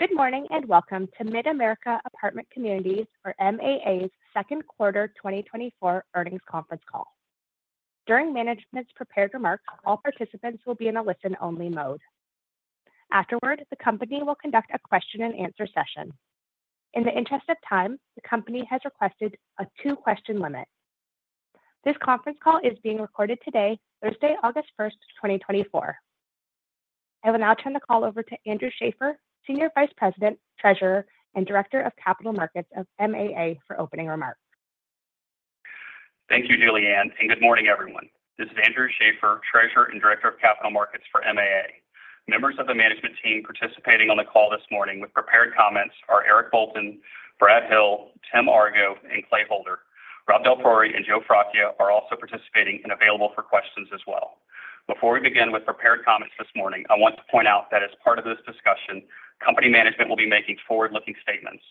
Good morning, and welcome to Mid-America Apartment Communities, or MAA's second quarter 2024 earnings conference call. During management's prepared remarks, all participants will be in a listen-only mode. Afterward, the company will conduct a question-and-answer session. In the interest of time, the company has requested a 2-question limit. This conference call is being recorded today, Thursday, August 1, 2024. I will now turn the call over to Andrew Schafer, Senior Vice President, Treasurer, and Director of Capital Markets of MAA, for opening remarks. Thank you, Julie Ann, and good morning, everyone. This is Andrew Schafer, Treasurer and Director of Capital Markets for MAA. Members of the management team participating on the call this morning with prepared comments are Eric Bolton, Brad Hill, Tim Argo, and Clay Holder. Rob DelPriore and Joe Fracchia are also participating and available for questions as well. Before we begin with prepared comments this morning, I want to point out that as part of this discussion, company management will be making forward-looking statements.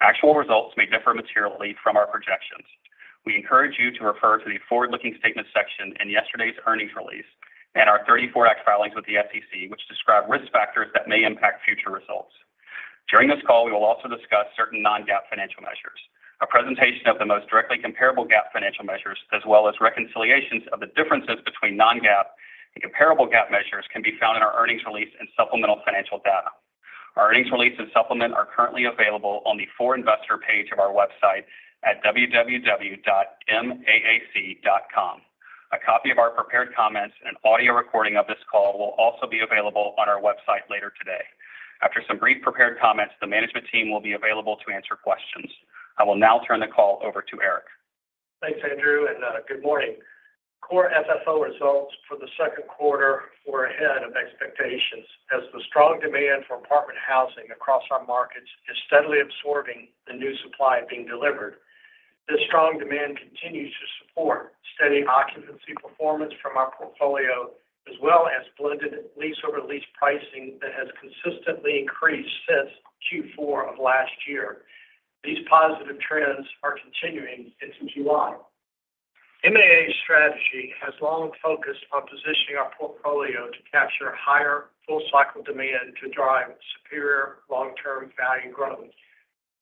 Actual results may differ materially from our projections. We encourage you to refer to the forward-looking statements section in yesterday's earnings release and our 10-K filings with the SEC, which describe risk factors that may impact future results. During this call, we will also discuss certain non-GAAP financial measures. A presentation of the most directly comparable GAAP financial measures, as well as reconciliations of the differences between non-GAAP and comparable GAAP measures, can be found in our earnings release and supplemental financial data. Our earnings release and supplement are currently available on the For Investor page of our website at www.maac.com. A copy of our prepared comments and an audio recording of this call will also be available on our website later today. After some brief prepared comments, the management team will be available to answer questions. I will now turn the call over to Eric. Thanks, Andrew, and good morning. Core FFO results for the second quarter were ahead of expectations, as the strong demand for apartment housing across our markets is steadily absorbing the new supply being delivered. This strong demand continues to support steady occupancy performance from our portfolio, as well as blended lease over lease pricing that has consistently increased since Q4 of last year. These positive trends are continuing into July. MAA's strategy has long focused on positioning our portfolio to capture higher full-cycle demand to drive superior long-term value growth.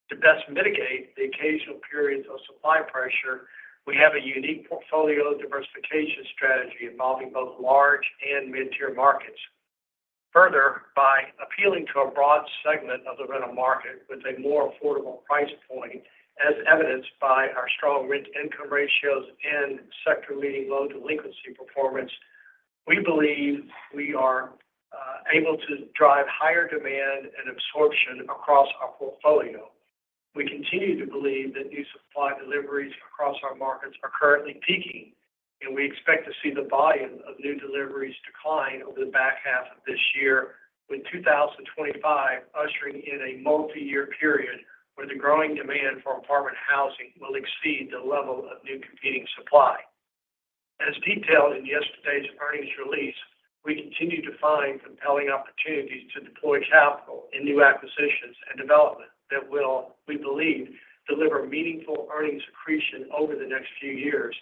To best mitigate the occasional periods of supply pressure, we have a unique portfolio diversification strategy involving both large and mid-tier markets. Further, by appealing to a broad segment of the rental market with a more affordable price point, as evidenced by our strong rent-to-income ratios and sector-leading low delinquency performance, we believe we are able to drive higher demand and absorption across our portfolio. We continue to believe that new supply deliveries across our markets are currently peaking, and we expect to see the volume of new deliveries decline over the back half of this year, with 2025 ushering in a multi-year period where the growing demand for apartment housing will exceed the level of new competing supply. As detailed in yesterday's earnings release, we continue to find compelling opportunities to deploy capital in new acquisitions and development that will, we believe, deliver meaningful earnings accretion over the next few years.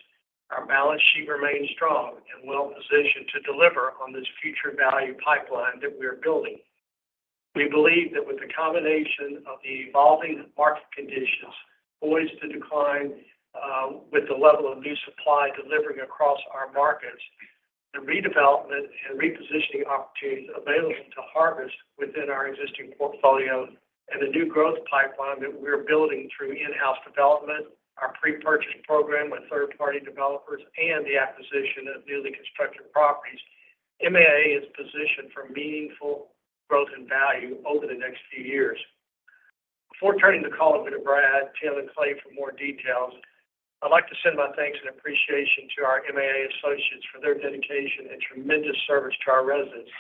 Our balance sheet remains strong and well-positioned to deliver on this future value pipeline that we are building. We believe that with the combination of the evolving market conditions poised to decline with the level of new supply delivering across our markets, the redevelopment and repositioning opportunities available to harvest within our existing portfolio and the new growth pipeline that we're building through in-house development, our pre-purchase program with third-party developers, and the acquisition of newly constructed properties, MAA is positioned for meaningful growth and value over the next few years. Before turning the call over to Brad, Tim, and Clay for more details, I'd like to send my thanks and appreciation to our MAA associates for their dedication and tremendous service to our residents.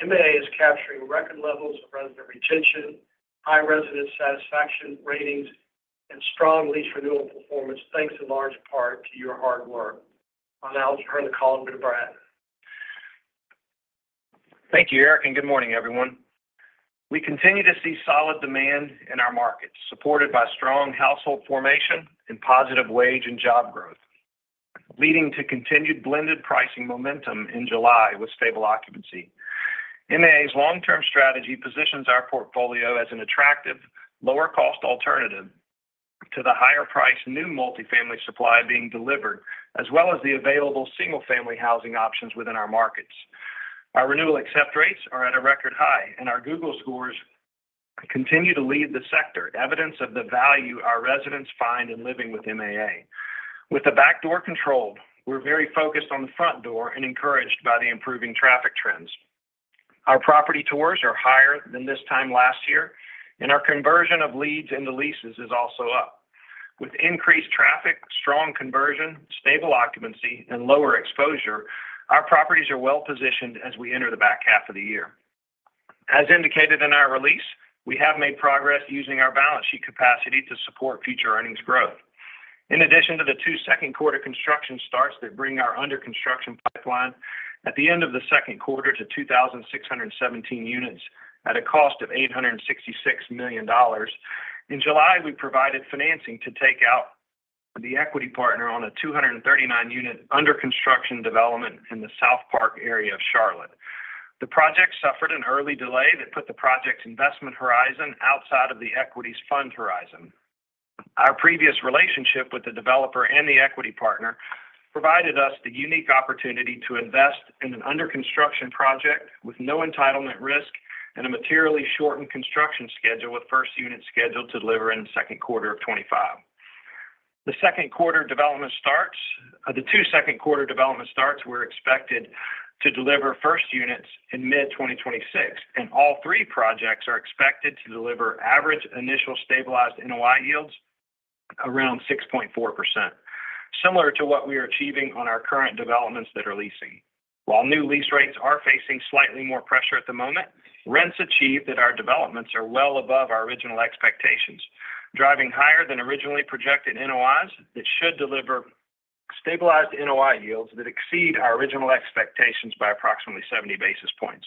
MAA is capturing record levels of resident retention, high resident satisfaction ratings, and strong lease renewal performance, thanks in large part to your hard work. I'll now turn the call over to Brad. Thank you, Eric, and good morning, everyone. We continue to see solid demand in our markets, supported by strong household formation and positive wage and job growth, leading to continued blended pricing momentum in July with stable occupancy. MAA's long-term strategy positions our portfolio as an attractive, lower-cost alternative to the higher-priced new multifamily supply being delivered, as well as the available single-family housing options within our markets. Our renewal accept rates are at a record high, and our Google scores continue to lead the sector, evidence of the value our residents find in living with MAA. With the backdoor controlled, we're very focused on the front door and encouraged by the improving traffic trends. Our property tours are higher than this time last year, and our conversion of leads into leases is also up. With increased traffic, strong conversion, stable occupancy, and lower exposure, our properties are well-positioned as we enter the back half of the year. As indicated in our release, we have made progress using our balance sheet capacity to support future earnings growth. In addition to the two second-quarter construction starts that bring our under-construction pipeline at the end of the second quarter to 2,617 units at a cost of $866 million, in July, we provided financing to take out the equity partner on a 239-unit under construction development in the SouthPark area of Charlotte. The project suffered an early delay that put the project's investment horizon outside of the equity's fund horizon. Our previous relationship with the developer and the equity partner provided us the unique opportunity to invest in an under construction project with no entitlement risk and a materially shortened construction schedule, with first unit scheduled to deliver in the second quarter of 2025. The second quarter development starts. The two second quarter development starts were expected to deliver first units in mid-2026, and all three projects are expected to deliver average initial stabilized NOI yields around 6.4%, similar to what we are achieving on our current developments that are leasing. While new lease rates are facing slightly more pressure at the moment, rents achieved at our developments are well above our original expectations, driving higher than originally projected NOIs. It should deliver stabilized NOI yields that exceed our original expectations by approximately 70 basis points.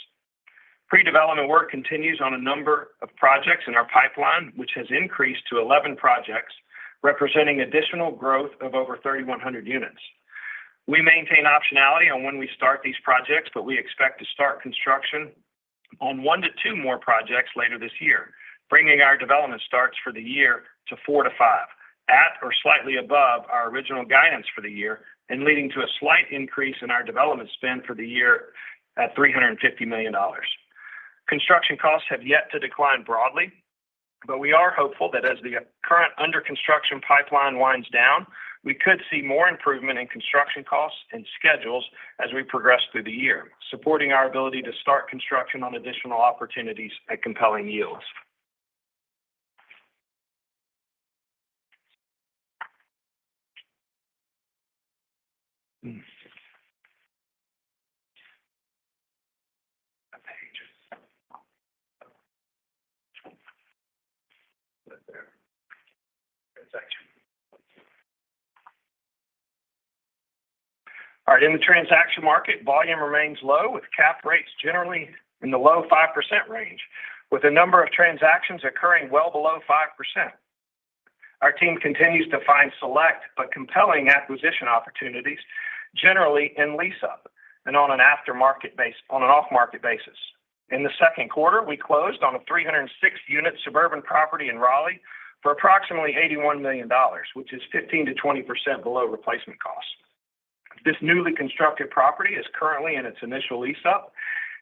Pre-development work continues on a number of projects in our pipeline, which has increased to 11 projects, representing additional growth of over 3,100 units. We maintain optionality on when we start these projects, but we expect to start construction on 1-2 more projects later this year, bringing our development starts for the year to 4-5, at or slightly above our original guidance for the year, and leading to a slight increase in our development spend for the year at $350 million. Construction costs have yet to decline broadly, but we are hopeful that as the current under construction pipeline winds down, we could see more improvement in construction costs and schedules as we progress through the year, supporting our ability to start construction on additional opportunities at compelling yields. Hmm. My pages. Right there. Transaction. All right. In the transaction market, volume remains low, with cap rates generally in the low 5% range, with a number of transactions occurring well below 5%. Our team continues to find select but compelling acquisition opportunities, generally in lease-up and on an off-market basis. In the second quarter, we closed on a 306-unit suburban property in Raleigh for approximately $81 million, which is 15%-20% below replacement costs. This newly constructed property is currently in its initial lease-up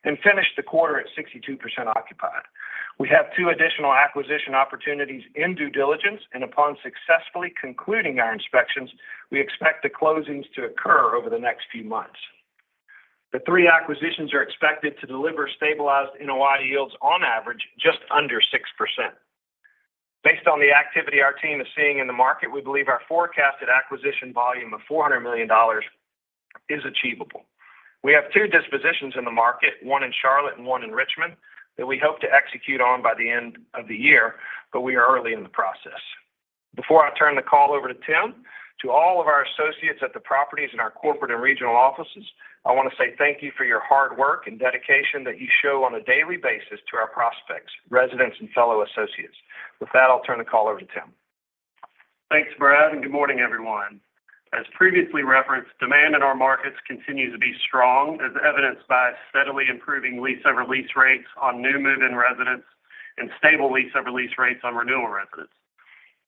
and finished the quarter at 62% occupied. We have 2 additional acquisition opportunities in due diligence, and upon successfully concluding our inspections, we expect the closings to occur over the next few months. The three acquisitions are expected to deliver stabilized NOI yields on average just under 6%. Based on the activity our team is seeing in the market, we believe our forecasted acquisition volume of $400 million is achievable. We have two dispositions in the market, one in Charlotte and one in Richmond, that we hope to execute on by the end of the year, but we are early in the process. Before I turn the call over to Tim, to all of our associates at the properties in our corporate and regional offices, I want to say thank you for your hard work and dedication that you show on a daily basis to our prospects, residents, and fellow associates. With that, I'll turn the call over to Tim. Thanks, Brad, and good morning, everyone. As previously referenced, demand in our markets continues to be strong, as evidenced by steadily improving lease over lease rates on new move-in residents and stable lease over lease rates on renewal residents.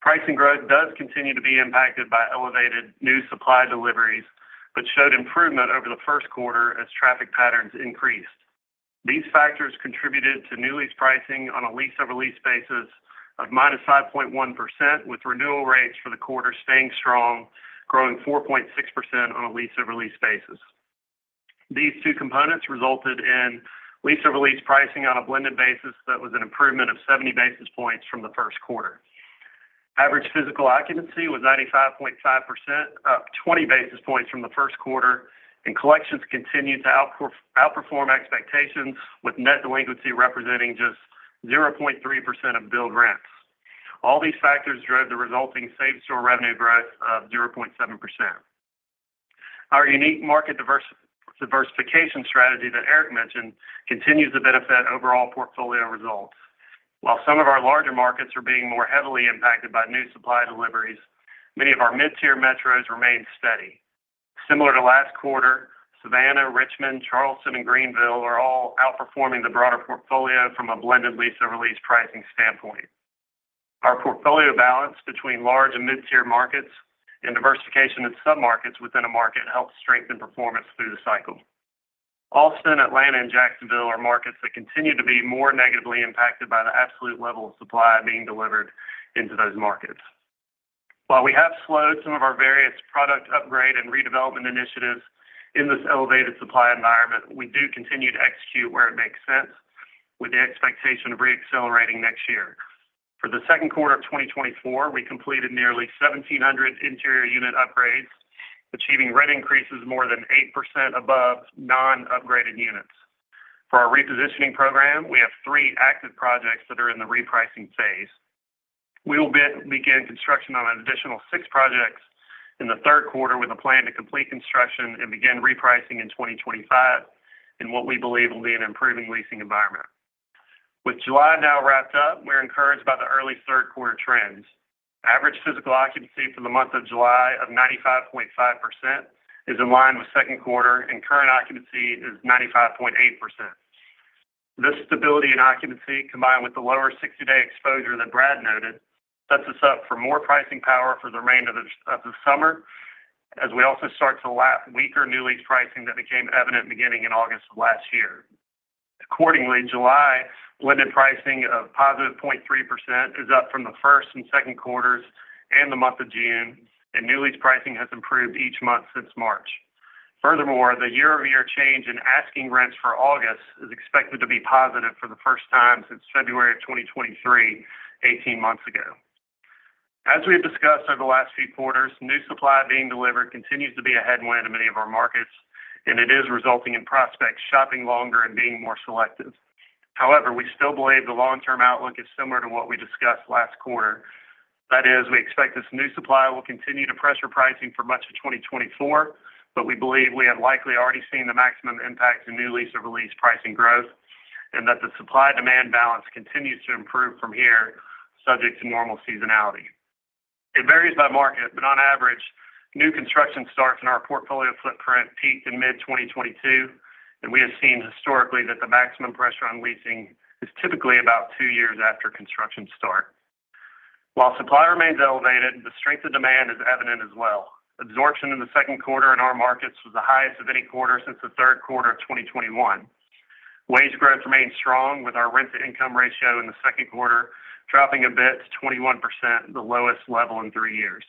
Pricing growth does continue to be impacted by elevated new supply deliveries, but showed improvement over the first quarter as traffic patterns increased. These factors contributed to new lease pricing on a lease over lease basis of -5.1%, with renewal rates for the quarter staying strong, growing 4.6% on a lease over lease basis. These two components resulted in lease over lease pricing on a blended basis that was an improvement of 70 basis points from the first quarter. Average physical occupancy was 95.5%, up 20 basis points from the first quarter, and collections continued to outperform expectations, with net delinquency representing just 0.3% of billed rents. All these factors drove the resulting same-store revenue growth of 0.7%. Our unique market diversification strategy that Eric mentioned continues to benefit overall portfolio results. While some of our larger markets are being more heavily impacted by new supply deliveries, many of our mid-tier metros remain steady. Similar to last quarter, Savannah, Richmond, Charleston, and Greenville are all outperforming the broader portfolio from a blended lease over lease pricing standpoint. Our portfolio balance between large and mid-tier markets and diversification in submarkets within a market helps strengthen performance through the cycle. Austin, Atlanta, and Jacksonville are markets that continue to be more negatively impacted by the absolute level of supply being delivered into those markets. While we have slowed some of our various product upgrade and redevelopment initiatives in this elevated supply environment, we do continue to execute where it makes sense, with the expectation of reaccelerating next year. For the second quarter of 2024, we completed nearly 1,700 interior unit upgrades, achieving rent increases more than 8% above non-upgraded units. For our repositioning program, we have 3 active projects that are in the repricing phase. We will begin construction on an additional 6 projects in the third quarter, with a plan to complete construction and begin repricing in 2025, in what we believe will be an improving leasing environment. With July now wrapped up, we're encouraged by the early third quarter trends. Average physical occupancy for the month of July of 95.5% is in line with second quarter, and current occupancy is 95.8%. This stability in occupancy, combined with the lower 60-day exposure that Brad noted, sets us up for more pricing power for the remainder of the summer, as we also start to lap weaker new lease pricing that became evident beginning in August of last year. Accordingly, July blended pricing of +0.3% is up from the first and second quarters and the month of June, and new lease pricing has improved each month since March. Furthermore, the year-over-year change in asking rents for August is expected to be positive for the first time since February of 2023, eighteen months ago. As we have discussed over the last few quarters, new supply being delivered continues to be a headwind in many of our markets, and it is resulting in prospects shopping longer and being more selective. However, we still believe the long-term outlook is similar to what we discussed last quarter. That is, we expect this new supply will continue to pressure pricing for much of 2024, but we believe we have likely already seen the maximum impact in new lease or release pricing growth, and that the supply-demand balance continues to improve from here, subject to normal seasonality. It varies by market, but on average, new construction starts in our portfolio footprint peaked in mid-2022, and we have seen historically that the maximum pressure on leasing is typically about two years after construction start. While supply remains elevated, the strength of demand is evident as well. Absorption in the second quarter in our markets was the highest of any quarter since the third quarter of 2021. Wage growth remains strong, with our rent-to-income ratio in the second quarter dropping a bit to 21%, the lowest level in three years.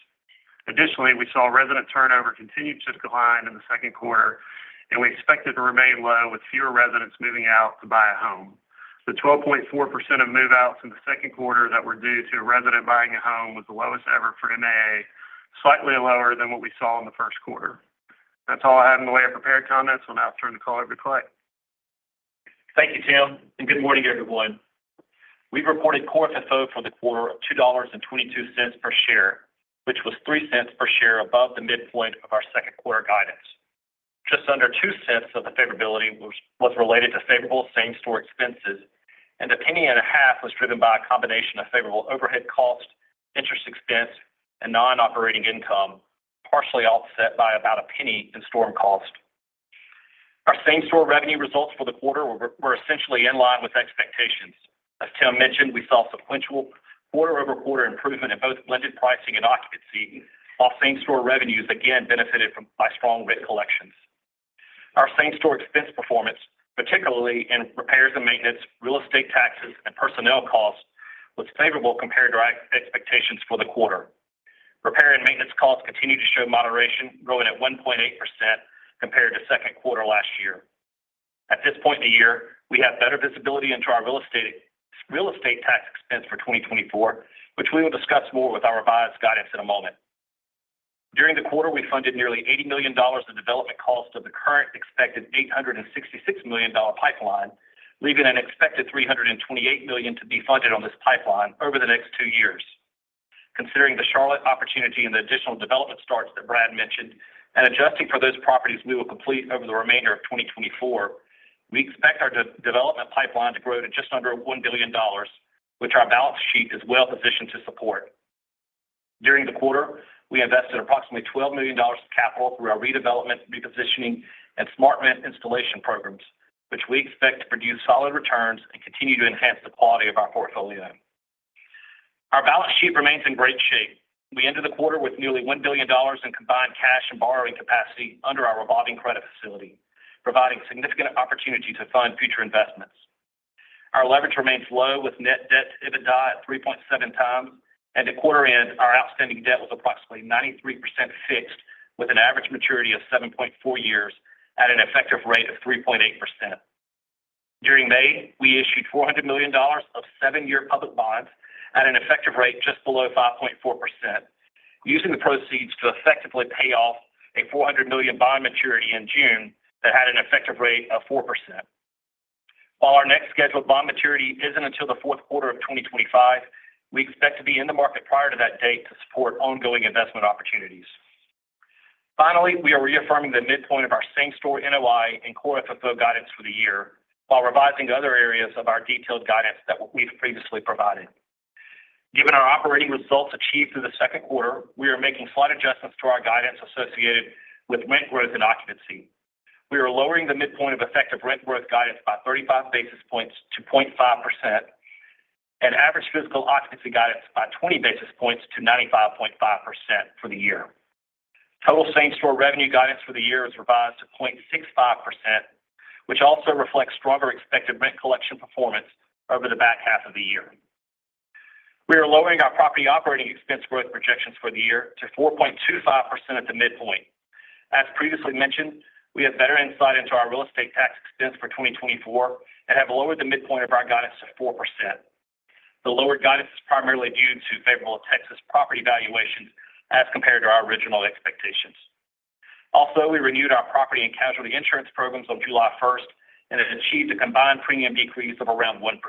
Additionally, we saw resident turnover continue to decline in the second quarter, and we expect it to remain low, with fewer residents moving out to buy a home. The 12.4% of move-outs in the second quarter that were due to a resident buying a home was the lowest ever for MAA, slightly lower than what we saw in the first quarter. That's all I have in the way of prepared comments. We'll now turn the call over to Clay. Thank you, Tim, and good morning, everyone. We've reported Core FFO for the quarter of $2.22 per share, which was $0.03 per share above the midpoint of our second quarter guidance. Just under $0.02 of the favorability was related to favorable same-store expenses, and $0.015 was driven by a combination of favorable overhead cost, interest expense, and non-operating income, partially offset by about $0.01 in storm cost. Our same-store revenue results for the quarter were essentially in line with expectations. As Tim mentioned, we saw sequential quarter-over-quarter improvement in both blended pricing and occupancy, while same-store revenues again benefited from by strong rent collections. Our same-store expense performance, particularly in repairs and maintenance, real estate taxes, and personnel costs, was favorable compared to our expectations for the quarter. Repair and maintenance costs continue to show moderation, growing at 1.8% compared to second quarter last year. At this point in the year, we have better visibility into our real estate tax expense for 2024, which we will discuss more with our revised guidance in a moment. During the quarter, we funded nearly $80 million in development costs of the current expected $866 million pipeline, leaving an expected $328 million to be funded on this pipeline over the next two years. Considering the Charlotte opportunity and the additional development starts that Brad mentioned, and adjusting for those properties we will complete over the remainder of 2024, we expect our development pipeline to grow to just under $1 billion, which our balance sheet is well positioned to support. During the quarter, we invested approximately $12 million of capital through our redevelopment, repositioning, and SmartRent installation programs, which we expect to produce solid returns and continue to enhance the quality of our portfolio. Our balance sheet remains in great shape. We ended the quarter with nearly $1 billion in combined cash and borrowing capacity under our revolving credit facility, providing significant opportunity to fund future investments. Our leverage remains low, with net debt to EBITDA at 3.7 times, and at quarter end, our outstanding debt was approximately 93% fixed, with an average maturity of 7.4 years at an effective rate of 3.8%. During May, we issued $400 million of seven-year public bonds at an effective rate just below 5.4%, using the proceeds to effectively pay off a $400 million bond maturity in June that had an effective rate of 4%. While our next scheduled bond maturity isn't until the fourth quarter of 2025, we expect to be in the market prior to that date to support ongoing investment opportunities. Finally, we are reaffirming the midpoint of our same-store NOI and core FFO guidance for the year, while revising other areas of our detailed guidance that we've previously provided. Given our operating results achieved through the second quarter, we are making slight adjustments to our guidance associated with rent growth and occupancy. We are lowering the midpoint of effective rent growth guidance by 35 basis points to 0.5%, and average physical occupancy guidance by 20 basis points to 95.5% for the year. Total same-store revenue guidance for the year is revised to 0.65%, which also reflects stronger expected rent collection performance over the back half of the year. We are lowering our property operating expense growth projections for the year to 4.25% at the midpoint. As previously mentioned, we have better insight into our real estate tax expense for 2024 and have lowered the midpoint of our guidance to 4%. The lower guidance is primarily due to favorable Texas property valuations as compared to our original expectations. Also, we renewed our property and casualty insurance programs on July first and have achieved a combined premium decrease of around 1%.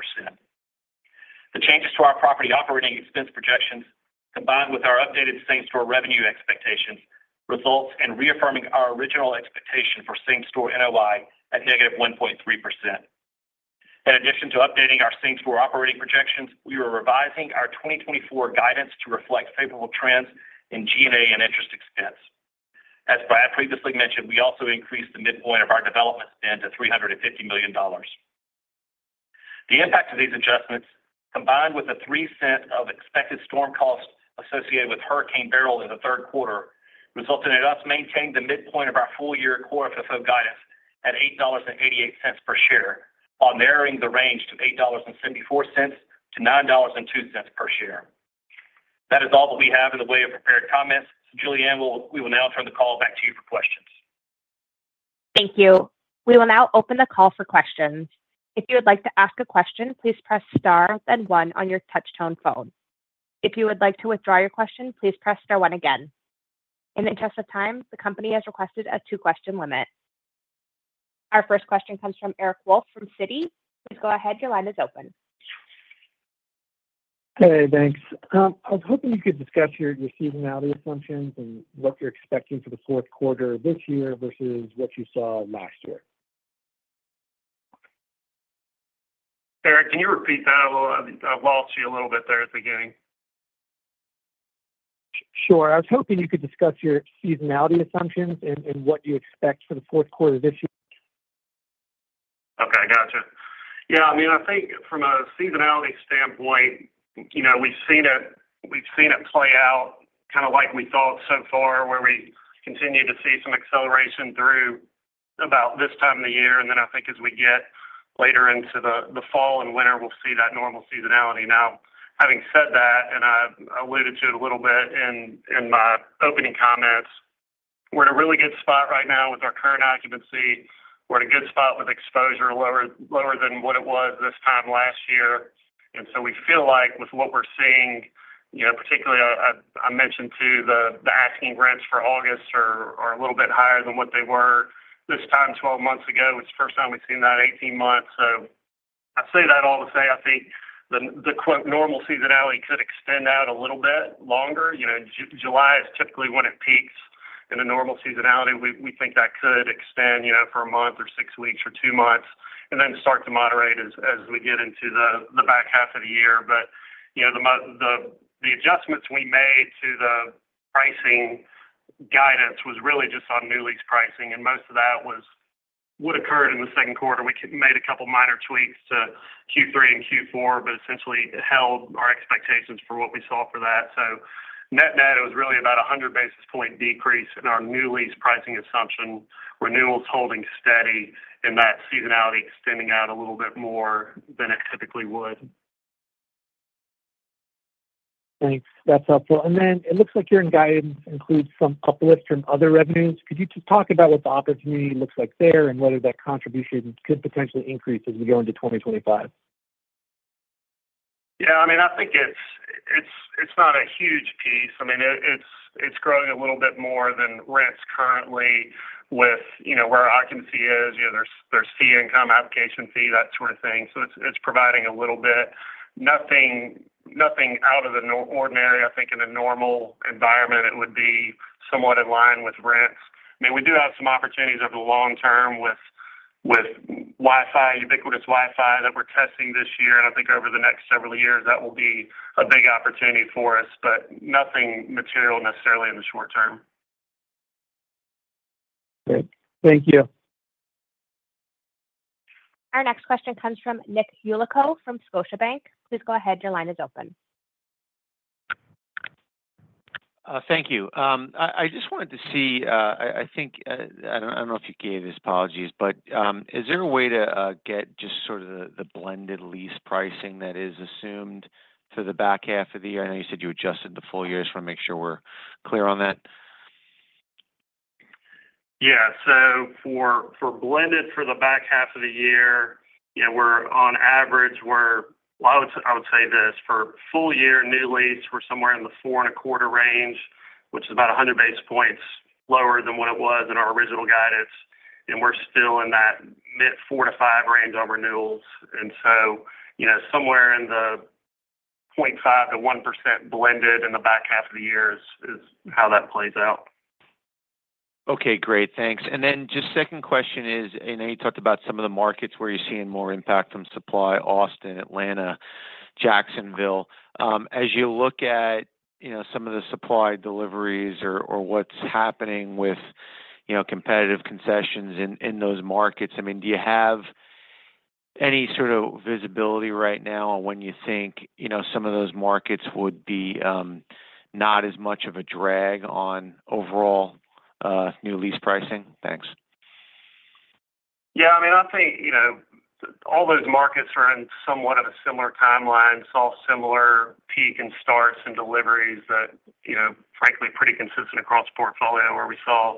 ...The changes to our property operating expense projections, combined with our updated same-store revenue expectations, results in reaffirming our original expectation for same-store NOI at negative 1.3%. In addition to updating our same-store operating projections, we are revising our 2024 guidance to reflect favorable trends in G&A and interest expense. As Brad previously mentioned, we also increased the midpoint of our development spend to $350 million. The impact of these adjustments, combined with the 3 cents of expected storm costs associated with Hurricane Beryl in the third quarter, resulted in us maintaining the midpoint of our full-year core FFO guidance at $8.88 per share, while narrowing the range to $8.74-$9.02 per share. That is all that we have in the way of prepared comments. Julie Ann, we will now turn the call back to you for questions. Thank you. We will now open the call for questions. If you would like to ask a question, please press star then one on your touchtone phone. If you would like to withdraw your question, please press star one again. In the interest of time, the company has requested a two-question limit. Our first question comes from Eric Wolfe from Citi. Please go ahead. Your line is open. Hey, thanks. I was hoping you could discuss your seasonality assumptions and what you're expecting for the fourth quarter of this year versus what you saw last year. Eric, can you repeat that? I, I lost you a little bit there at the beginning. Sure. I was hoping you could discuss your seasonality assumptions and what you expect for the fourth quarter this year? Okay, gotcha. Yeah, I mean, I think from a seasonality standpoint, you know, we've seen it, we've seen it play out kind of like we thought so far, where we continue to see some acceleration through about this time of the year. And then I think as we get later into the fall and winter, we'll see that normal seasonality. Now, having said that, and I alluded to it a little bit in my opening comments, we're in a really good spot right now with our current occupancy. We're in a good spot with exposure, lower than what it was this time last year. And so we feel like with what we're seeing, you know, particularly, I mentioned too, the asking rents for August are a little bit higher than what they were this time twelve months ago. It's the first time we've seen that in 18 months. So I say that all to say, I think the quote, "normal seasonality" could extend out a little bit longer. You know, July is typically when it peaks in a normal seasonality. We think that could extend, you know, for a month or 6 weeks or 2 months, and then start to moderate as we get into the back half of the year. But, you know, the adjustments we made to the pricing guidance was really just on new lease pricing, and most of that was what occurred in the second quarter. We made a couple minor tweaks to Q3 and Q4, but essentially held our expectations for what we saw for that. Net-net, it was really about 100 basis points decrease in our new lease pricing assumption, renewals holding steady, and that seasonality extending out a little bit more than it typically would. Thanks. That's helpful. And then it looks like your guidance includes some uplift from other revenues. Could you just talk about what the opportunity looks like there and whether that contribution could potentially increase as we go into 2025? Yeah, I mean, I think it's not a huge piece. I mean, it's growing a little bit more than rents currently with, you know, where our occupancy is. You know, there's fee income, application fee, that sort of thing. So it's providing a little bit. Nothing out of the ordinary. I think in a normal environment, it would be somewhat in line with rents. I mean, we do have some opportunities over the long term with ubiquitous Wi-Fi that we're testing this year. And I think over the next several years, that will be a big opportunity for us, but nothing material necessarily in the short term. Great. Thank you. Our next question comes from Nick Yulico from Scotiabank. Please go ahead. Your line is open. Thank you. I just wanted to see. I think I don't know if you gave this. Apologies, but is there a way to get just sort of the blended lease pricing that is assumed for the back half of the year? I know you said you adjusted the full year. Just want to make sure we're clear on that. Yeah. So for blended, for the back half of the year, you know, we're on average... Well, I would say this, for full year new lease, we're somewhere in the 4.25 range, which is about 100 basis points lower than what it was in our original guidance, and we're still in that mid-4 to 5 range on renewals. And so, you know, somewhere in the 0.5%-1% blended in the back half of the year is how that plays out. Okay, great. Thanks. And then just second question is, I know you talked about some of the markets where you're seeing more impact from supply, Austin, Atlanta, Jacksonville. As you look at, you know, some of the supply deliveries or what's happening with, you know, competitive concessions in those markets, I mean, do you have any sort of visibility right now on when you think, you know, some of those markets would be not as much of a drag on overall new lease pricing? Thanks. Yeah, I mean, I think, you know, all those markets are in somewhat of a similar timeline. Saw similar peak in starts and deliveries that, you know, frankly, pretty consistent across the portfolio, where we saw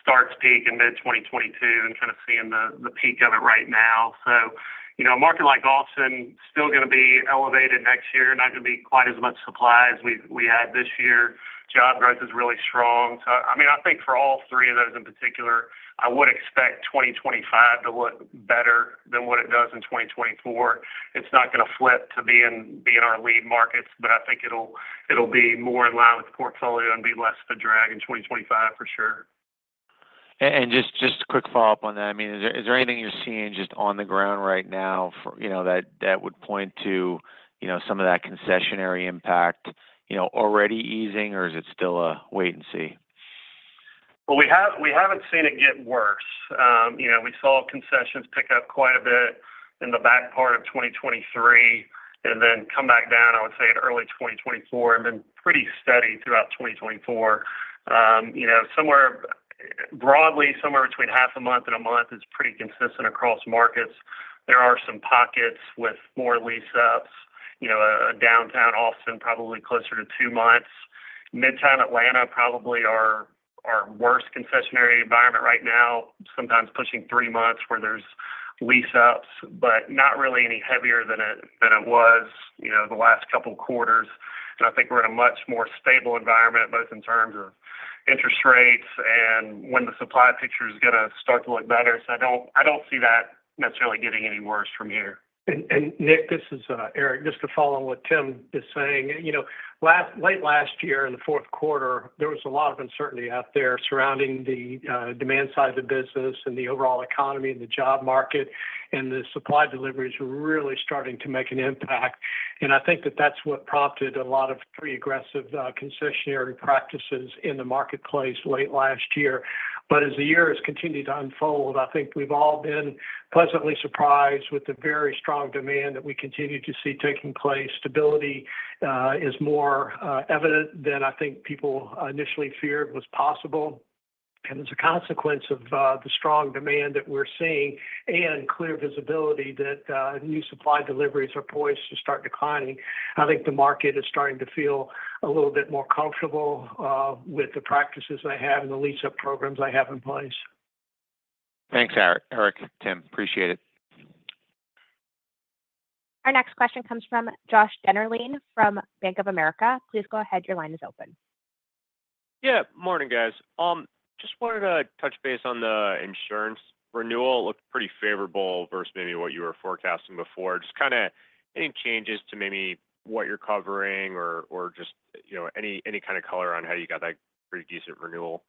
starts peak in mid-2022 and kind of seeing the, the peak of it right now. So, you know, a market like Austin, still gonna be elevated next year, not gonna be quite as much supply as we, we had this year. Job growth is really strong. So, I mean, I think for all three of those in particular, I would expect 2025 to look better than what it does in 2024. It's not gonna flip to being, being our lead markets, but I think it'll, it'll be more in line with the portfolio and be less of a drag in 2025, for sure. Just a quick follow-up on that. I mean, is there anything you're seeing just on the ground right now for, you know, that would point to, you know, some of that concessionary impact, you know, already easing, or is it still a wait and see? Well, we have—we haven't seen it get worse. You know, we saw concessions pick up quite a bit in the back part of 2023, and then come back down, I would say, in early 2024, and been pretty steady throughout 2024. You know, broadly, somewhere between half a month and a month is pretty consistent across markets. There are some pockets with more lease-ups, you know, downtown Austin, probably closer to 2 months. Midtown Atlanta, probably our worst concessionary environment right now, sometimes pushing 3 months where there's lease-ups, but not really any heavier than it was, you know, the last couple quarters. And I think we're in a much more stable environment, both in terms of interest rates and when the supply picture is gonna start to look better. I don't see that necessarily getting any worse from here. Nick, this is Eric, just to follow on what Tim is saying. You know, late last year, in the fourth quarter, there was a lot of uncertainty out there surrounding the demand side of the business and the overall economy and the job market, and the supply deliveries were really starting to make an impact. And I think that that's what prompted a lot of pretty aggressive concessionary practices in the marketplace late last year. But as the year has continued to unfold, I think we've all been pleasantly surprised with the very strong demand that we continue to see taking place. Stability is more evident than I think people initially feared was possible. As a consequence of the strong demand that we're seeing and clear visibility that new supply deliveries are poised to start declining, I think the market is starting to feel a little bit more comfortable with the practices they have and the lease-up programs they have in place. Thanks, Eric, Eric, Tim. Appreciate it. Our next question comes from Josh Dennerlein from Bank of America. Please go ahead. Your line is open. Yeah. Morning, guys. Just wanted to touch base on the insurance renewal. Looked pretty favorable versus maybe what you were forecasting before. Just kinda any changes to maybe what you're covering or, or just, you know, any, any kinda color on how you got that pretty decent renewal?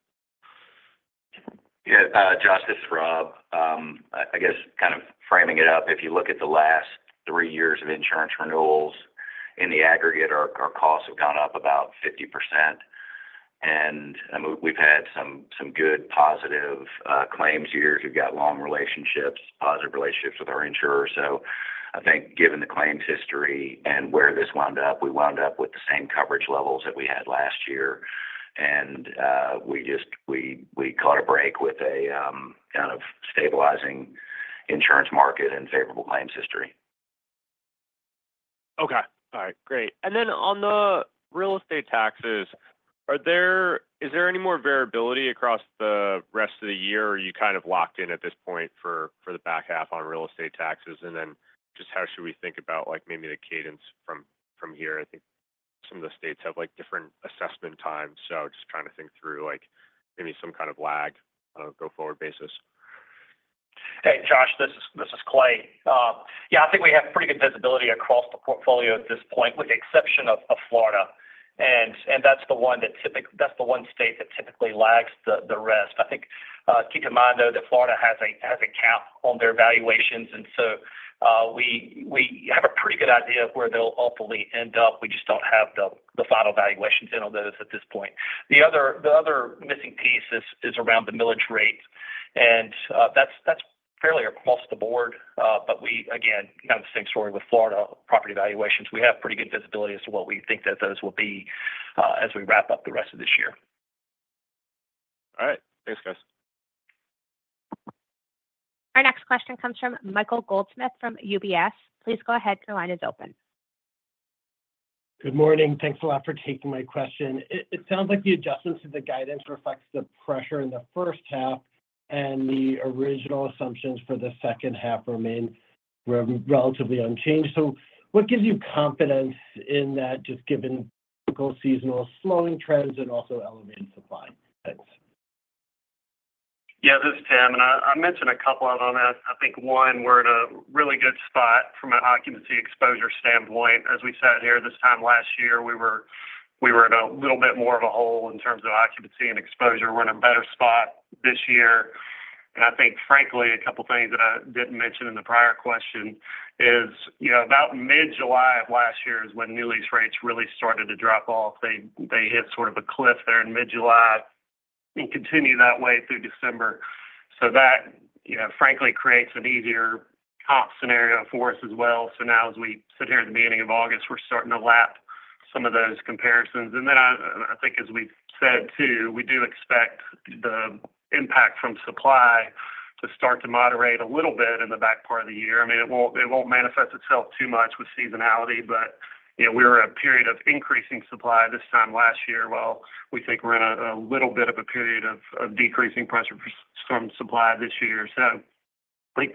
Yeah, Josh, this is Rob. I guess, kind of framing it up, if you look at the last three years of insurance renewals, in the aggregate, our costs have gone up about 50%. And, I mean, we've had some good positive claims years. We've got long relationships, positive relationships with our insurer. So I think given the claims history and where this wound up, we wound up with the same coverage levels that we had last year. And we just caught a break with a kind of stabilizing insurance market and favorable claims history. Okay. All right, great. And then on the real estate taxes, is there any more variability across the rest of the year, or are you kind of locked in at this point for the back half on real estate taxes? And then just how should we think about, like, maybe the cadence from here? I think some of the states have, like, different assessment times, so just trying to think through, like, maybe some kind of lag on a go-forward basis. Hey, Josh, this is Clay. Yeah, I think we have pretty good visibility across the portfolio at this point, with the exception of Florida. And that's the one state that typically lags the rest. I think, keep in mind, though, that Florida has a cap on their valuations, and so we have a pretty good idea of where they'll hopefully end up. We just don't have the final valuations in on those at this point. The other missing piece is around the millage rates, and that's fairly across the board. But we, again, kind of the same story with Florida property valuations. We have pretty good visibility as to what we think that those will be, as we wrap up the rest of this year. All right. Thanks, guys. Our next question comes from Michael Goldsmith, from UBS. Please go ahead. The line is open. Good morning. Thanks a lot for taking my question. It sounds like the adjustments to the guidance reflects the pressure in the first half, and the original assumptions for the second half remain relatively unchanged. So what gives you confidence in that, just given typical seasonal slowing trends and also elevated supply? Thanks. Yeah, this is Tim, and I mentioned a couple of them. I think, one, we're in a really good spot from an occupancy exposure standpoint. As we sat here this time last year, we were in a little bit more of a hole in terms of occupancy and exposure. We're in a better spot this year. And I think, frankly, a couple of things that I didn't mention in the prior question is, you know, about mid-July of last year is when new lease rates really started to drop off. They hit sort of a cliff there in mid-July and continued that way through December. So that, you know, frankly, creates an easier comp scenario for us as well. So now, as we sit here at the beginning of August, we're starting to lap some of those comparisons. And then I think as we've said, too, we do expect the impact from supply to start to moderate a little bit in the back part of the year. I mean, it won't, it won't manifest itself too much with seasonality, but, you know, we're at a period of increasing supply this time last year, while we think we're in a little bit of a period of decreasing pressure from supply this year or so. Like,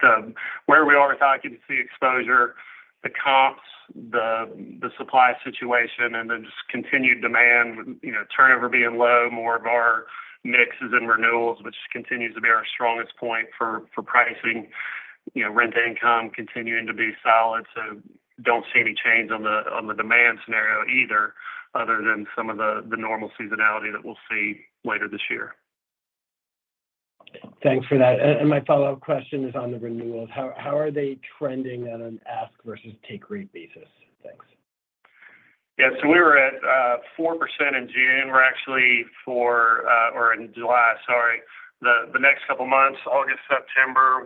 where we are with occupancy exposure, the comps, the supply situation, and the just continued demand, you know, turnover being low, more of our mixes and renewals, which continues to be our strongest point for pricing. You know, rent income continuing to be solid, so don't see any change on the, on the demand scenario either, other than some of the, the normal seasonality that we'll see later this year. Thanks for that. And my follow-up question is on the renewals. How are they trending on an ask versus take rate basis? Thanks. Yeah. So we were at 4% in June. We're actually at 4%, or in July, sorry. The next couple of months, August, September,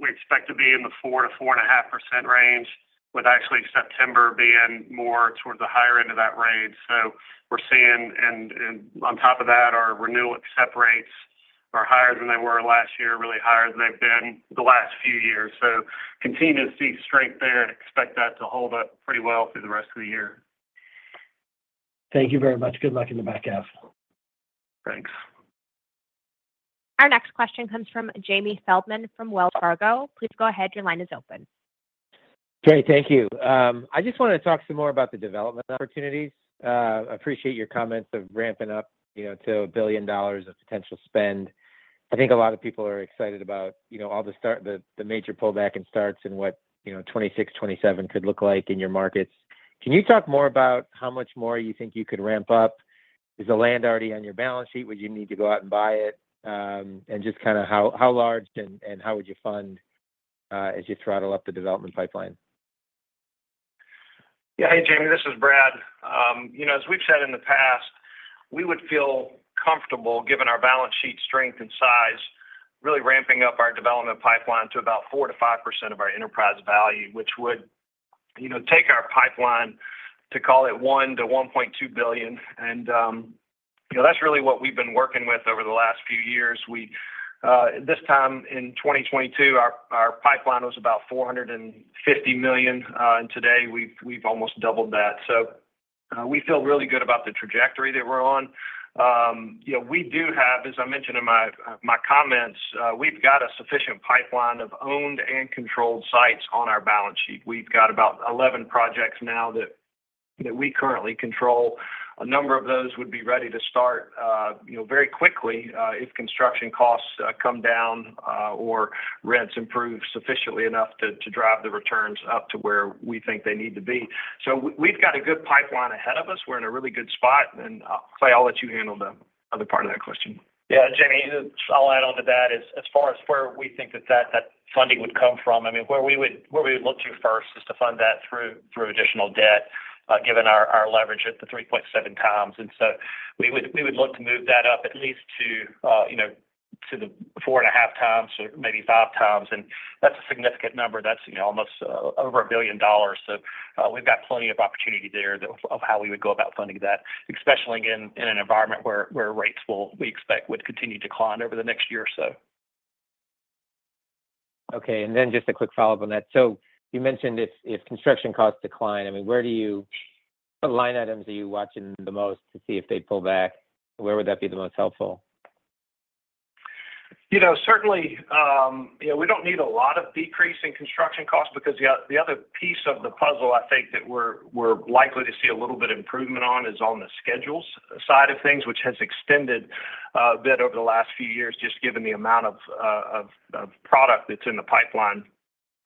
we expect to be in the 4%-4.5% range, with actually September being more towards the higher end of that range. So we're seeing... And on top of that, our renewal accept rates are higher than they were last year, really higher than they've been the last few years. So continue to see strength there and expect that to hold up pretty well through the rest of the year. Thank you very much. Good luck in the back half. Thanks. Our next question comes from Jamie Feldman from Wells Fargo. Please go ahead, your line is open. Great. Thank you. I just wanted to talk some more about the development opportunities. Appreciate your comments of ramping up, you know, to $1 billion of potential spend. I think a lot of people are excited about, you know, all the starts, the major pullback and starts and what, you know, 2026, 2027 could look like in your markets. Can you talk more about how much more you think you could ramp up? Is the land already on your balance sheet? Would you need to go out and buy it? And just kind of how large and how would you fund as you throttle up the development pipeline? Yeah. Hey, Jamie, this is Brad. You know, as we've said in the past, we would feel comfortable, given our balance sheet strength and size, really ramping up our development pipeline to about 4%-5% of our enterprise value, which would, you know, take our pipeline to call it $1billion-$1.2 billion. And, you know, that's really what we've been working with over the last few years. We. This time in 2022, our pipeline was about $450 million, and today we've almost doubled that. So, we feel really good about the trajectory that we're on. You know, we do have, as I mentioned in my comments, we've got a sufficient pipeline of owned and controlled sites on our balance sheet. We've got about 11 projects now that we currently control. A number of those would be ready to start, you know, very quickly, if construction costs come down, or rents improve sufficiently enough to drive the returns up to where we think they need to be. So we've got a good pipeline ahead of us. We're in a really good spot, and, Clay, I'll let you handle the other part of that question. Yeah, Jamie, I'll add on to that. As far as where we think that funding would come from, I mean, where we would look to first is to fund that through additional debt, given our leverage at 3.7x. And so we would look to move that up at least to, you know, to the 4.5x or maybe 5x, and that's a significant number. That's, you know, almost over $1 billion. So we've got plenty of opportunity there of how we would go about funding that, especially in an environment where rates we expect would continue to decline over the next year or so. Okay. And then just a quick follow-up on that. So you mentioned if, if construction costs decline, I mean, where do you... What line items are you watching the most to see if they pull back? Where would that be the most helpful? You know, certainly, you know, we don't need a lot of decrease in construction costs, because the other piece of the puzzle, I think, that we're likely to see a little bit of improvement on is on the schedules side of things, which has extended a bit over the last few years, just given the amount of product that's in the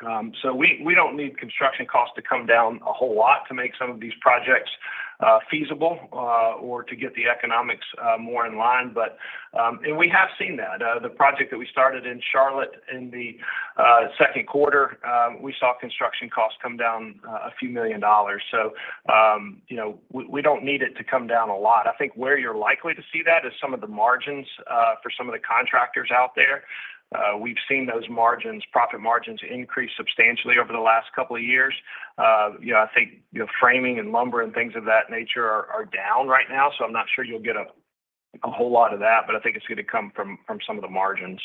pipeline. So we don't need construction costs to come down a whole lot to make some of these projects feasible, or to get the economics more in line. But we have seen that. The project that we started in Charlotte in the second quarter, we saw construction costs come down a few million dollars. So, you know, we don't need it to come down a lot. I think where you're likely to see that is some of the margins for some of the contractors out there. We've seen those margins, profit margins increase substantially over the last couple of years. You know, I think, you know, framing and lumber and things of that nature are down right now, so I'm not sure you'll get a whole lot of that, but I think it's gonna come from some of the margins.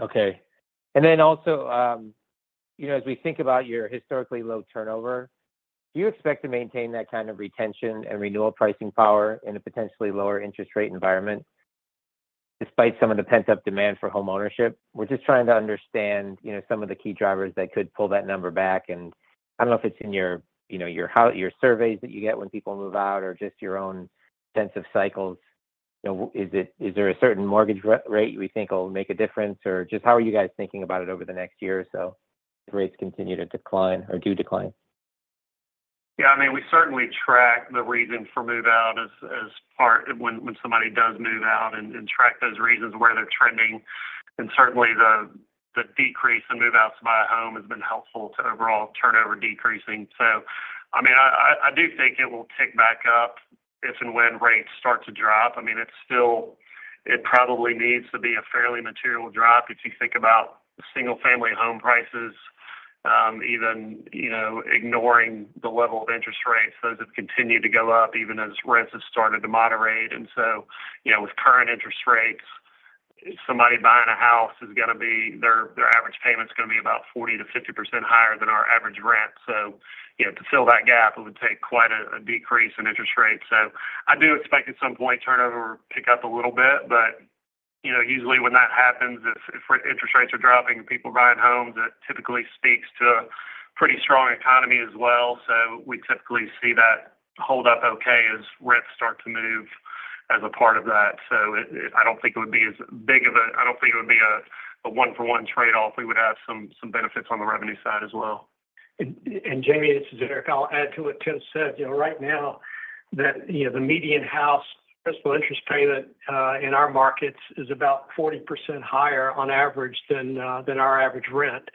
Okay. And then also, you know, as we think about your historically low turnover, do you expect to maintain that kind of retention and renewal pricing power in a potentially lower interest rate environment, despite some of the pent-up demand for homeownership? We're just trying to understand, you know, some of the key drivers that could pull that number back, and I don't know if it's in your, you know, your surveys that you get when people move out, or just your own sense of cycles. You know, is there a certain mortgage rate you think will make a difference? Or just how are you guys thinking about it over the next year or so, if rates continue to decline or do decline? Yeah, I mean, we certainly track the reason for move-out as part of when somebody does move out, and track those reasons where they're trending. And certainly, the decrease in move-outs to buy a home has been helpful to overall turnover decreasing. So, I mean, I do think it will tick back up if and when rates start to drop. I mean, it's still... It probably needs to be a fairly material drop. If you think about single-family home prices, even, you know, ignoring the level of interest rates, those have continued to go up, even as rents have started to moderate. And so, you know, with current interest rates, somebody buying a house is gonna be, their payment's gonna be about 40%-50% higher than our average rent. So, you know, to fill that gap, it would take quite a decrease in interest rates. So I do expect at some point, turnover will pick up a little bit, but, you know, usually when that happens, if interest rates are dropping and people buying homes, that typically speaks to a pretty strong economy as well. So we typically see that hold up okay as rents start to move as a part of that. So it, I don't think it would be as big of a—I don't think it would be a one-for-one trade-off. We would have some benefits on the revenue side as well. And Jamie, this is Eric. I'll add to what Tim said. You know, right now, you know, the median house principal interest payment in our markets is about 40% higher on average than our average rent.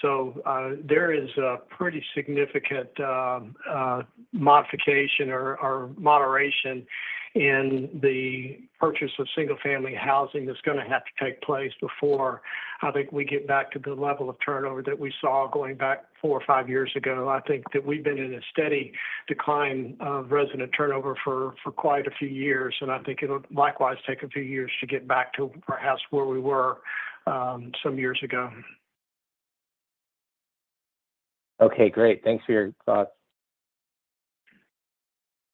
So, there is a pretty significant modification or moderation in the purchase of single-family housing that's gonna have to take place before I think we get back to the level of turnover that we saw going back four or five years ago. I think that we've been in a steady decline of resident turnover for quite a few years, and I think it'll likewise take a few years to get back to perhaps where we were some years ago. Okay, great. Thanks for your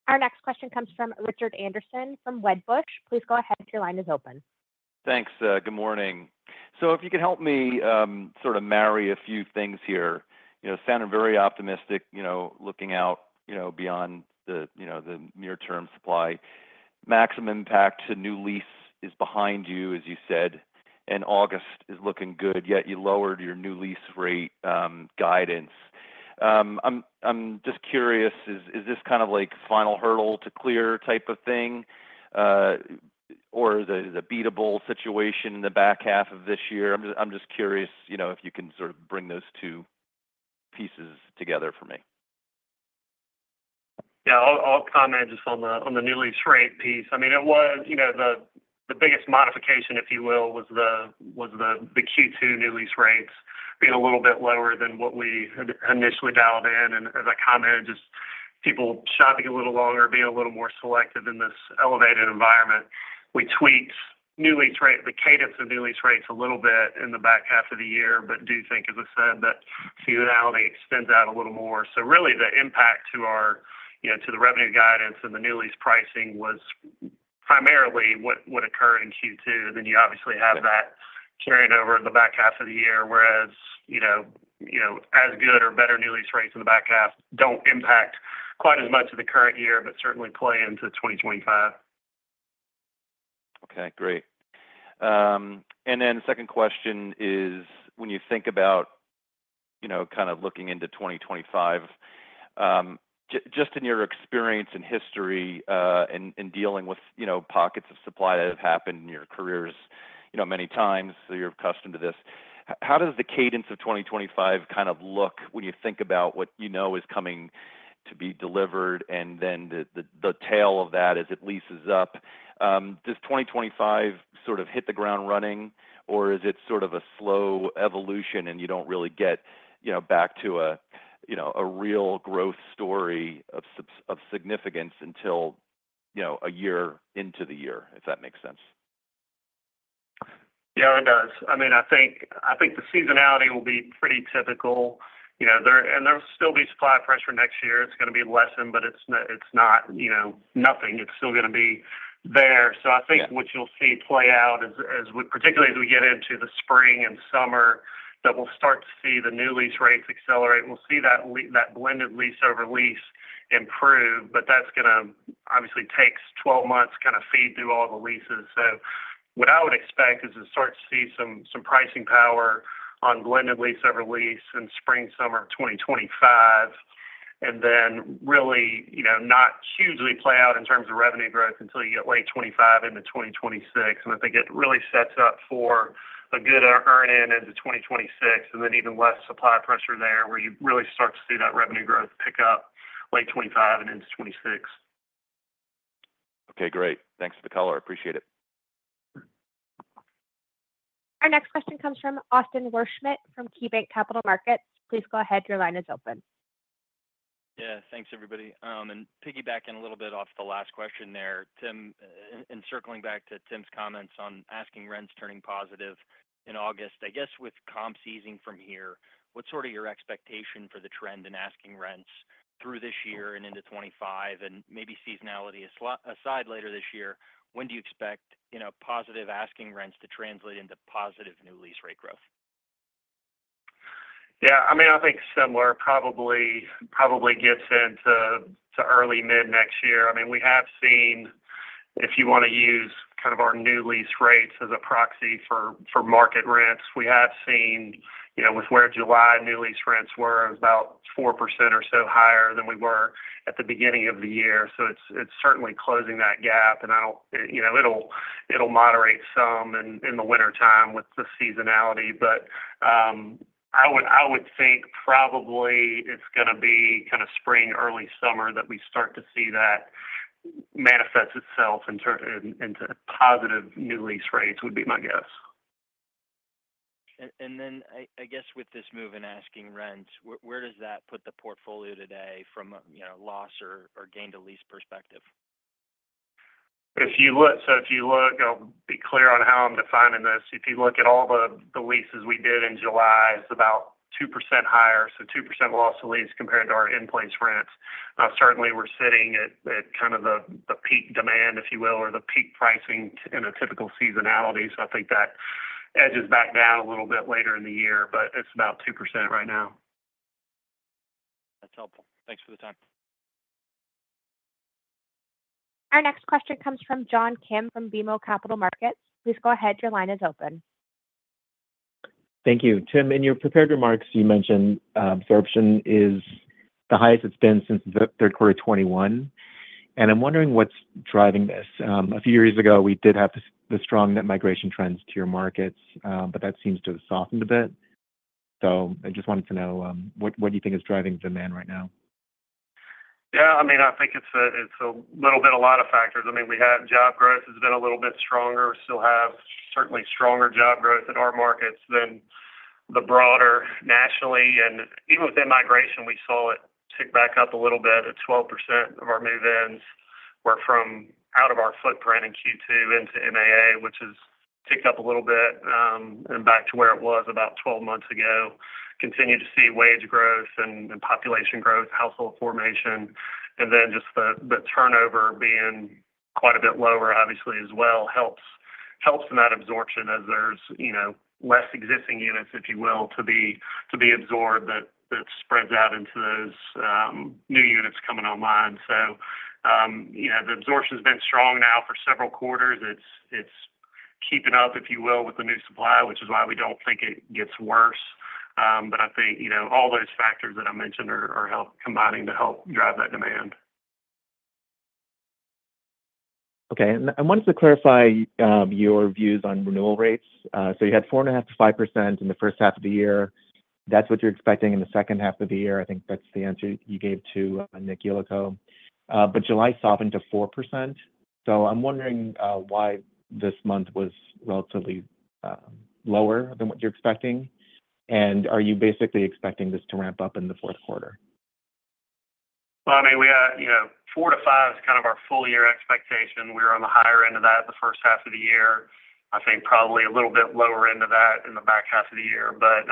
thoughts. Our next question comes from Richard Anderson, from Wedbush. Please go ahead. Your line is open. Thanks, good morning. So if you could help me sort of marry a few things here. You know, sounding very optimistic, you know, looking out, you know, beyond the near-term supply. Maximum impact to new lease is behind you, as you said, and August is looking good, yet you lowered your new lease rate guidance. I'm just curious, is this kind of like final hurdle to clear type of thing? Or is it a beatable situation in the back half of this year? I'm just curious, you know, if you can sort of bring those two pieces together for me. Yeah. I'll comment just on the new lease rate piece. I mean, it was, you know, the biggest modification, if you will, was the Q2 new lease rates being a little bit lower than what we had initially dialed in. And as I commented, just people shopping a little longer, being a little more selective in this elevated environment. We tweaked new lease rates—the cadence of new lease rates a little bit in the back half of the year, but do think, as I said, that seasonality extends out a little more. So really, the impact to our, you know, to the revenue guidance and the new lease pricing was primarily what would occur in Q2. Then you obviously have that carrying over in the back half of the year, whereas, you know, you know, as good or better new lease rates in the back half don't impact quite as much of the current year, but certainly play into 2025. Okay, great. And then second question is: when you think about, you know, kind of looking into 2025, just in your experience and history, in dealing with, you know, pockets of supply that have happened in your careers, you know, many times, so you're accustomed to this, how does the cadence of 2025 kind of look when you think about what you know is coming to be delivered and then the tail of that as it leases up? Does 2025 sort of hit the ground running, or is it sort of a slow evolution and you don't really get, you know, back to a real growth story of significance until, you know, a year into the year? If that makes sense. Yeah, it does. I mean, I think, I think the seasonality will be pretty typical. You know, there... And there'll still be supply pressure next year. It's gonna be lessened, but it's not, it's not, you know, nothing. It's still gonna be there. Yeah. So I think what you'll see play out, particularly as we get into the spring and summer, that we'll start to see the new lease rates accelerate. We'll see that blended lease over lease improve, but that's gonna obviously takes 12 months kind of feed through all the leases. So what I would expect is to start to see some pricing power on blended lease over lease in spring, summer of 2025, and then really, you know, not hugely play out in terms of revenue growth until you get late 2025 into 2026. And I think it really sets up for a good earn-in into 2026, and then even less supply pressure there, where you really start to see that revenue growth pick up late 2025 and into 2026. Okay, great. Thanks for the color. I appreciate it. Our next question comes from Austin Wurschmidt from KeyBanc Capital Markets. Please go ahead. Your line is open. Yeah. Thanks, everybody. And piggybacking a little bit off the last question there, Tim, and circling back to Tim's comments on asking rents turning positive in August, I guess, with comps easing from here, what's sort of your expectation for the trend in asking rents through this year and into 25? And maybe seasonality aside later this year, when do you expect, you know, positive asking rents to translate into positive new lease rate growth? Yeah, I mean, I think similar. Probably gets into early mid-next year. I mean, we have seen, if you want to use kind of our new lease rates as a proxy for market rents, we have seen, you know, with where July new lease rents were, about 4% or so higher than we were at the beginning of the year. So it's certainly closing that gap, and I don't. You know, it'll moderate some in the wintertime with the seasonality. But I would think probably it's gonna be kind of spring, early summer, that we start to see that manifests itself into positive new lease rates, would be my guess. And then, I guess with this move in asking rents, where does that put the portfolio today from a, you know, loss or gain to lease perspective? ... If you look, so if you look, I'll be clear on how I'm defining this. If you look at all the leases we did in July, it's about 2% higher, so 2% loss of lease compared to our in-place rents. Certainly, we're sitting at kind of the peak demand, if you will, or the peak pricing in a typical seasonality. So I think that edges back down a little bit later in the year, but it's about 2% right now. That's helpful. Thanks for the time. Our next question comes from John Kim from BMO Capital Markets. Please go ahead. Your line is open. Thank you. Tim, in your prepared remarks, you mentioned, absorption is the highest it's been since the third quarter of 2021, and I'm wondering what's driving this. A few years ago, we did have the strong net migration trends to your markets, but that seems to have softened a bit. So I just wanted to know, what do you think is driving demand right now? Yeah, I mean, I think it's a little bit of a lot of factors. I mean, we have job growth has been a little bit stronger. We still have certainly stronger job growth in our markets than the broader nationally. And even within migration, we saw it tick back up a little bit at 12% of our move-ins were from out of our footprint in Q2 into MAA, which has ticked up a little bit and back to where it was about 12 months ago. Continue to see wage growth and population growth, household formation, and then just the turnover being quite a bit lower, obviously, as well, helps in that absorption as there's, you know, less existing units, if you will, to be absorbed, that spreads out into those new units coming online. So, you know, the absorption's been strong now for several quarters. It's keeping up, if you will, with the new supply, which is why we don't think it gets worse. But I think, you know, all those factors that I mentioned are combining to help drive that demand. Okay. I wanted to clarify your views on renewal rates. So you had 4.5%-5% in the first half of the year. That's what you're expecting in the second half of the year. I think that's the answer you gave to Nick Yulico. But July softened to 4%. So I'm wondering why this month was relatively lower than what you're expecting, and are you basically expecting this to ramp up in the fourth quarter? Well, I mean, we, you know, 4-5 is kind of our full year expectation. We're on the higher end of that the first half of the year. I think probably a little bit lower end of that in the back half of the year. But,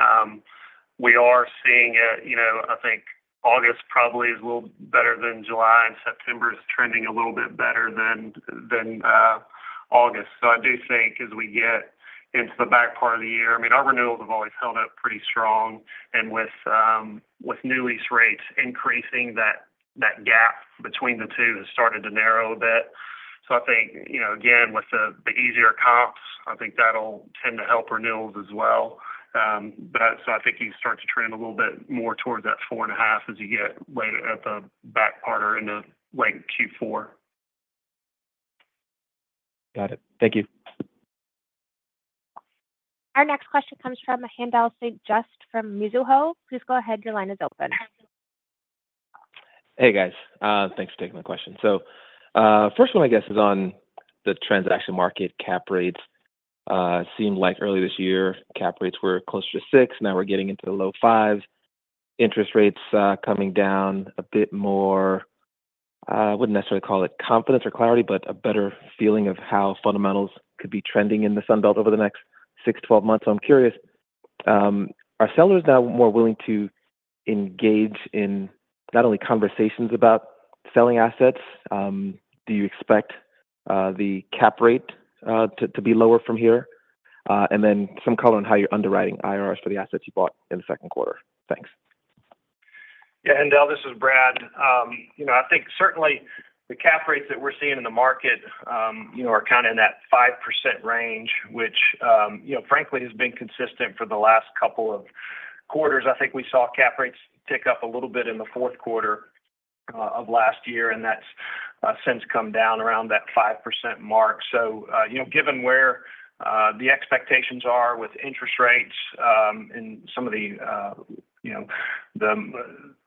we are seeing it, you know, I think August probably is a little better than July, and September is trending a little bit better than August. So I do think as we get into the back part of the year... I mean, our renewals have always held up pretty strong, and with, with new lease rates increasing, that gap between the two has started to narrow a bit. So I think, you know, again, with the easier comps, I think that'll tend to help renewals as well. So I think you start to trend a little bit more towards that 4.5 as you get later at the back part or in the late Q4. Got it. Thank you. Our next question comes from Haendel St. Juste from Mizuho. Please go ahead. Your line is open. Hey, guys. Thanks for taking my question. So, first one, I guess, is on the transaction market cap rates. It seemed like early this year, cap rates were closer to 6. Now we're getting into the low 5s. Interest rates coming down a bit more. I wouldn't necessarily call it confidence or clarity, but a better feeling of how fundamentals could be trending in the Sun Belt over the next 6, 12 months. So I'm curious, are sellers now more willing to engage in not only conversations about selling assets, do you expect the cap rate to be lower from here? And then some color on how you're underwriting IRRs for the assets you bought in the second quarter. Thanks. Yeah, Haendal, this is Brad. You know, I think certainly the cap rates that we're seeing in the market, you know, are kind of in that 5% range, which, you know, frankly, has been consistent for the last couple of quarters. I think we saw cap rates tick up a little bit in the fourth quarter of last year, and that's since come down around that 5% mark. So, you know, given where the expectations are with interest rates, and some of the, you know,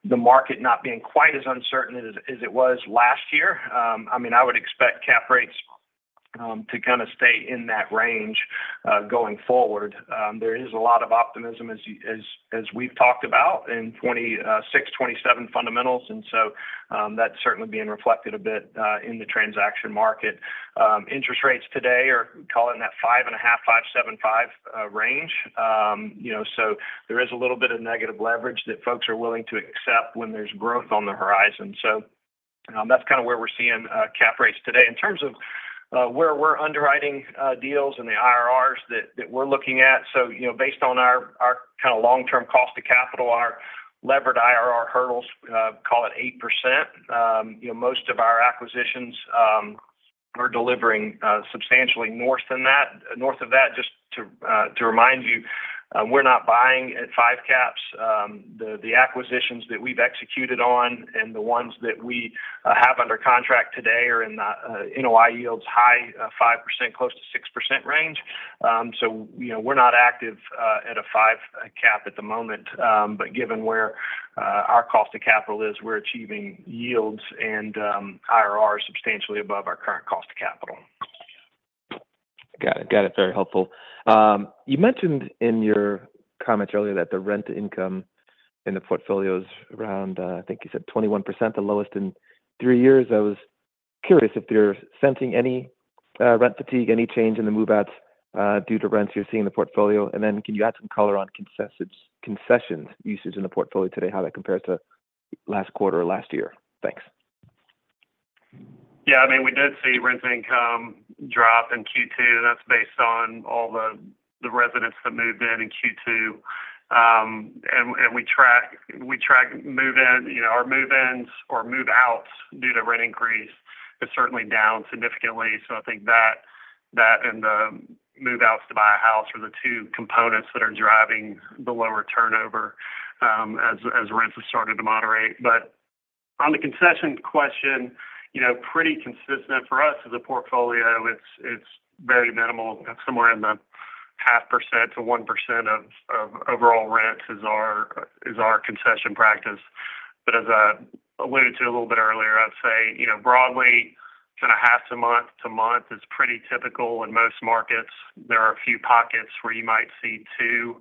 the market not being quite as uncertain as it was last year, I mean, I would expect cap rates to kind of stay in that range going forward. There is a lot of optimism, as we've talked about in 2016, 2017 fundamentals, and so that's certainly being reflected a bit in the transaction market. Interest rates today are calling that 5.5-5.75 range. You know, so there is a little bit of negative leverage that folks are willing to accept when there's growth on the horizon. That's kind of where we're seeing cap rates today. In terms of where we're underwriting deals and the IRRs that we're looking at. You know, based on our kind of long-term cost of capital, our levered IRR hurdles, call it 8%. You know, most of our acquisitions are delivering substantially more than that. North of that, just to remind you, we're not buying at five caps. The acquisitions that we've executed on and the ones that we have under contract today are in the NOI yields high 5%, close to 6% range. So you know, we're not active at a five cap at the moment, but given where our cost of capital is, we're achieving yields and IRRs substantially above our current cost of capital.... Got it, got it. Very helpful. You mentioned in your comments earlier that the rent income in the portfolio is around, I think you said 21%, the lowest in three years. I was curious if you're sensing any rent fatigue, any change in the move-outs due to rents you're seeing in the portfolio? And then can you add some color on concessions, concessions usage in the portfolio today, how that compares to last quarter or last year? Thanks. Yeah, I mean, we did see rent income drop in Q2, and that's based on all the residents that moved in in Q2. And we track move-in, you know, our move-ins or move-outs due to rent increase is certainly down significantly. So I think that and the move-outs to buy a house are the two components that are driving the lower turnover, as rents have started to moderate. But on the concession question, you know, pretty consistent for us as a portfolio, it's very minimal. Somewhere in the 0.5%-1% of overall rents is our concession practice. But as I alluded to a little bit earlier, I'd say, you know, broadly, kind of half to month to month is pretty typical in most markets. There are a few pockets where you might see two,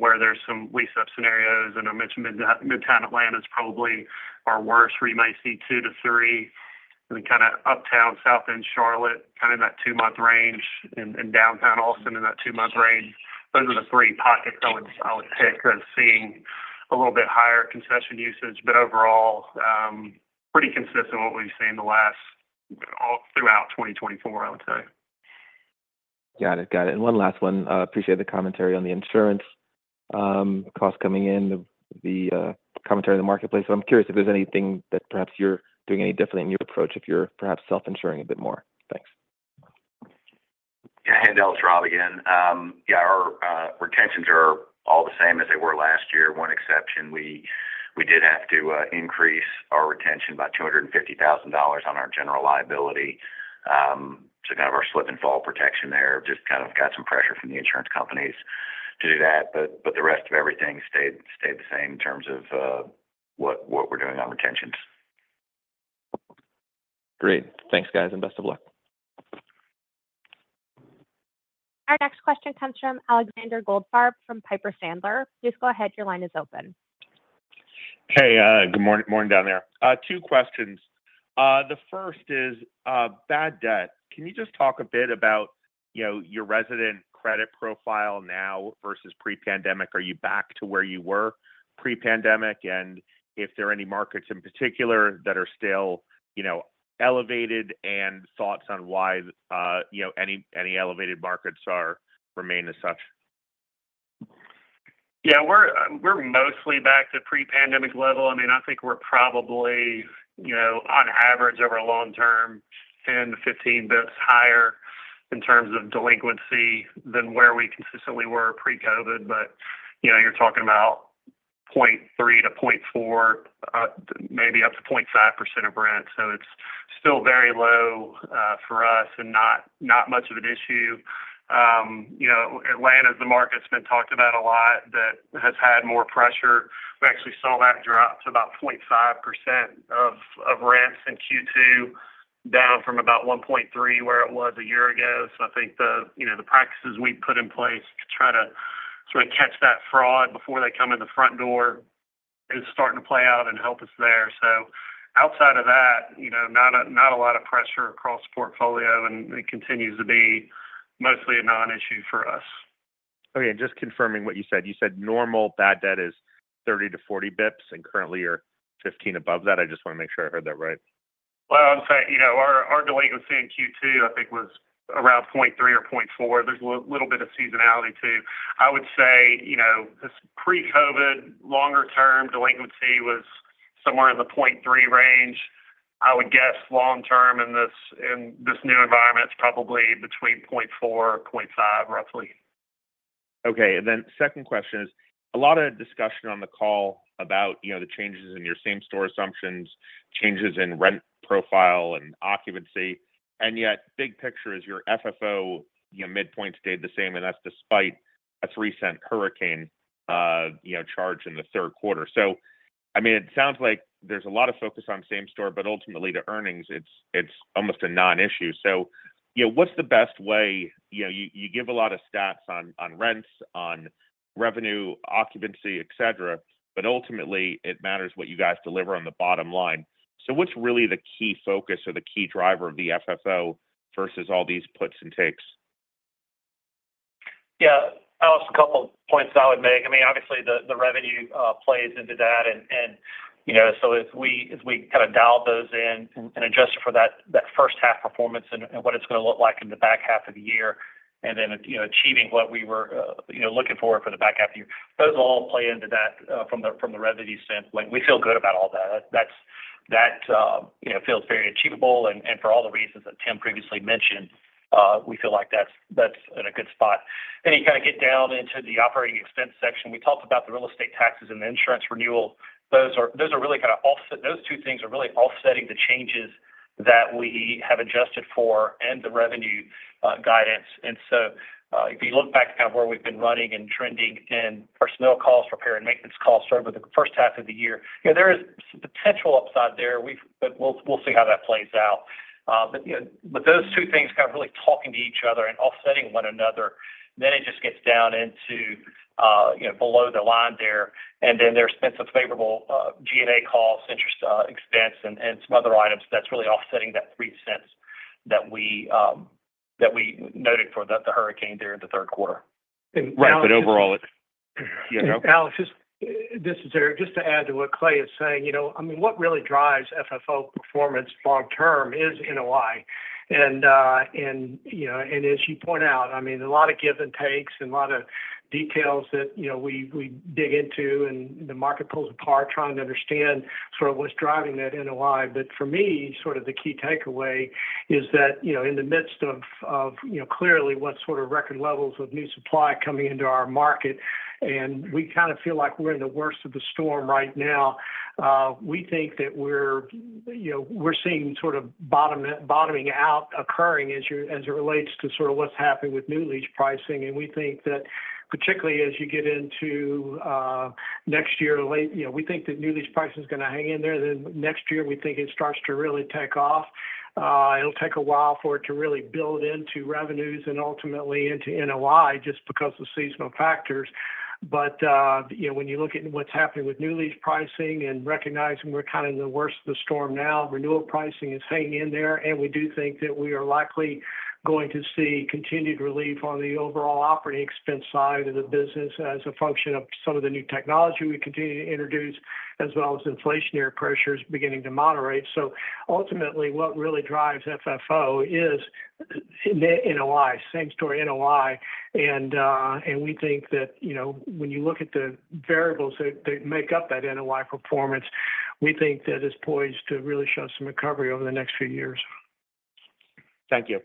where there's some lease-up scenarios, and I mentioned midtown Atlanta is probably our worst, where you might see 2-3, and then kind of uptown, South End, Charlotte, kind of in that two-month range, and downtown Austin in that two-month range. Those are the three pockets I would pick as seeing a little bit higher concession usage. But overall, pretty consistent with what we've seen the last all throughout 2024, I would say. Got it. Got it. And one last one. Appreciate the commentary on the insurance cost coming in, the commentary on the marketplace. So I'm curious if there's anything that perhaps you're doing any differently in your approach, if you're perhaps self-insuring a bit more. Thanks. Yeah, and Haendal Rob again. Yeah, our retentions are all the same as they were last year. One exception, we did have to increase our retention by $250,000 on our general liability, so kind of our slip and fall protection there. Just kind of got some pressure from the insurance companies to do that, but the rest of everything stayed the same in terms of what we're doing on retentions. Great. Thanks, guys, and best of luck. Our next question comes from Alexander Goldfarb, from Piper Sandler. Please go ahead. Your line is open. Hey, good morning. Morning down there. Two questions. The first is bad debt. Can you just talk a bit about, you know, your resident credit profile now versus pre-pandemic? Are you back to where you were pre-pandemic? And if there are any markets in particular that are still, you know, elevated, and thoughts on why, you know, any elevated markets remain as such. Yeah, we're, we're mostly back to pre-pandemic level. I mean, I think we're probably, you know, on average, over long term, 10-15 basis higher in terms of delinquency than where we consistently were pre-COVID. But, you know, you're talking about 0.3%-0.4%, maybe up to 0.5% of rent. So it's still very low, for us and not, not much of an issue. You know, Atlanta, the market's been talked about a lot, that has had more pressure. We actually saw that drop to about 0.5% of, of rents in Q2, down from about 1.3%, where it was a year ago. So I think the, you know, the practices we've put in place to try to sort of catch that fraud before they come in the front door is starting to play out and help us there. So outside of that, you know, not a, not a lot of pressure across the portfolio, and it continues to be mostly a non-issue for us. Okay, and just confirming what you said, you said normal bad debt is 30bps-40 bps, and currently you're 15 above that. I just want to make sure I heard that right. Well, I would say, you know, our, our delinquency in Q2, I think, was around 0.3 or 0.4. There's a little bit of seasonality, too. I would say, you know, this pre-COVID, longer-term delinquency was somewhere in the 0.3 range. I would guess long term in this, in this new environment, it's probably between 0.4 or 0.5, roughly. Okay, and then second question is, a lot of discussion on the call about, you know, the changes in your same-store assumptions, changes in rent profile and occupancy, and yet big picture is your FFO, your midpoint stayed the same, and that's despite a $0.03 hurricane charge in the third quarter. So, I mean, it sounds like there's a lot of focus on same-store, but ultimately, the earnings, it's almost a non-issue. So, you know, what's the best way... You know, you give a lot of stats on, on rents, on revenue, occupancy, et cetera, but ultimately, it matters what you guys deliver on the bottom line. So what's really the key focus or the key driver of the FFO versus all these puts and takes? Yeah. Alice, a couple of points I would make. I mean, obviously, the revenue plays into that. And, you know, so as we kind of dial those in and adjust for that first half performance and what it's gonna look like in the back half of the year, and then, you know, achieving what we were looking for for the back half of the year, those all play into that from the revenue sense. Like, we feel good about all that. That's, you know, feels very achievable, and for all the reasons that Tim previously mentioned, we feel like that's in a good spot. Then you kind of get down into the operating expense section. We talked about the real estate taxes and the insurance renewal. Those are, those are really kind of offset. Those two things are really offsetting the changes that we have adjusted for and the revenue guidance.... And so, if you look back at kind of where we've been running and trending in personnel costs, repair and maintenance costs over the first half of the year, you know, there is potential upside there. But we'll see how that plays out. But, you know, with those two things kind of really talking to each other and offsetting one another, then it just gets down into, you know, below the line there. And then there's been some favorable G&A costs, interest expense, and some other items that's really offsetting that $0.03 that we noted for the hurricane there in the third quarter. And- But overall, it's, you know. Alex, just, this is Eric. Just to add to what Clay is saying, you know, I mean, what really drives FFO performance long term is NOI. And, you know, and as you point out, I mean, a lot of gives and takes and a lot of details that, you know, we, we dig into and the market pulls apart, trying to understand sort of what's driving that NOI. But for me, sort of the key takeaway is that, you know, in the midst of, you know, clearly what sort of record levels of new supply coming into our market, and we kind of feel like we're in the worst of the storm right now. We think that we're, you know, we're seeing sort of bottoming out occurring as it relates to sort of what's happening with new lease pricing. We think that particularly as you get into next year, late. You know, we think that new lease pricing is gonna hang in there. Then next year, we think it starts to really take off. It'll take a while for it to really build into revenues and ultimately into NOI just because of seasonal factors. But you know, when you look at what's happening with new lease pricing and recognizing we're kind of in the worst of the storm now, renewal pricing is hanging in there, and we do think that we are likely going to see continued relief on the overall operating expense side of the business as a function of some of the new technology we continue to introduce, as well as inflationary pressures beginning to moderate. So ultimately, what really drives FFO is NOI, same story, NOI. We think that, you know, when you look at the variables that make up that NOI performance, we think that it's poised to really show some recovery over the next few years. Thank you.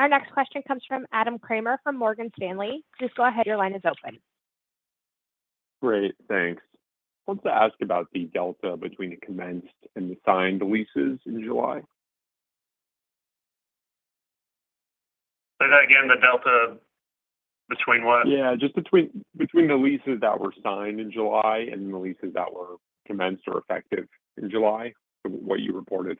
Our next question comes from Adam Kramer, from Morgan Stanley. Please go ahead. Your line is open. Great, thanks. I want to ask about the delta between the commenced and the signed leases in July. Say that again. The delta between what? Yeah, just between the leases that were signed in July and the leases that were commenced or effective in July, from what you reported.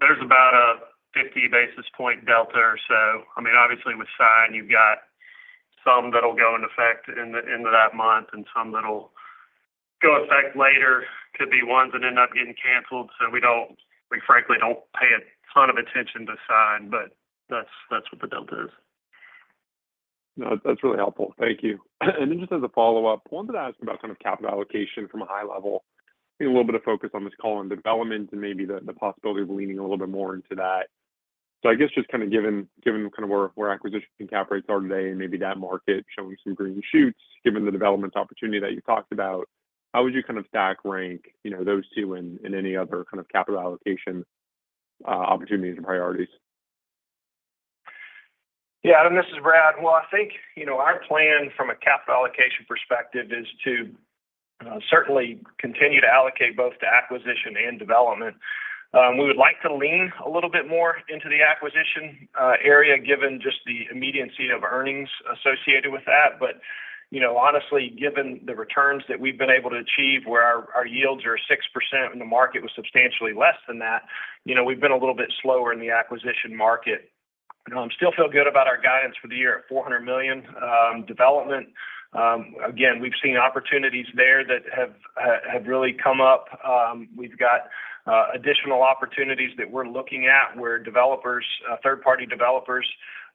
There's about a 50 basis point delta or so. I mean, obviously, with signed, you've got some that'll go in effect in the end of that month and some that'll go effect later, could be ones that end up getting canceled. So, we frankly don't pay a ton of attention to signed, but that's, that's what the delta is. No, that's really helpful. Thank you. And then just as a follow-up, I wanted to ask about kind of capital allocation from a high level. Get a little bit of focus on this call on development and maybe the possibility of leaning a little bit more into that. So I guess just kind of given kind of where acquisition cap rates are today and maybe that market showing some green shoots, given the development opportunity that you talked about, how would you kind of stack rank, you know, those two and any other kind of capital allocation opportunities and priorities? Yeah, Adam, this is Brad. Well, I think, you know, our plan from a capital allocation perspective is to certainly continue to allocate both to acquisition and development. We would like to lean a little bit more into the acquisition area, given just the immediacy of earnings associated with that. But, you know, honestly, given the returns that we've been able to achieve, where our yields are 6% and the market was substantially less than that, you know, we've been a little bit slower in the acquisition market. Still feel good about our guidance for the year at $400 million development. Again, we've seen opportunities there that have really come up. We've got additional opportunities that we're looking at, where developers, third-party developers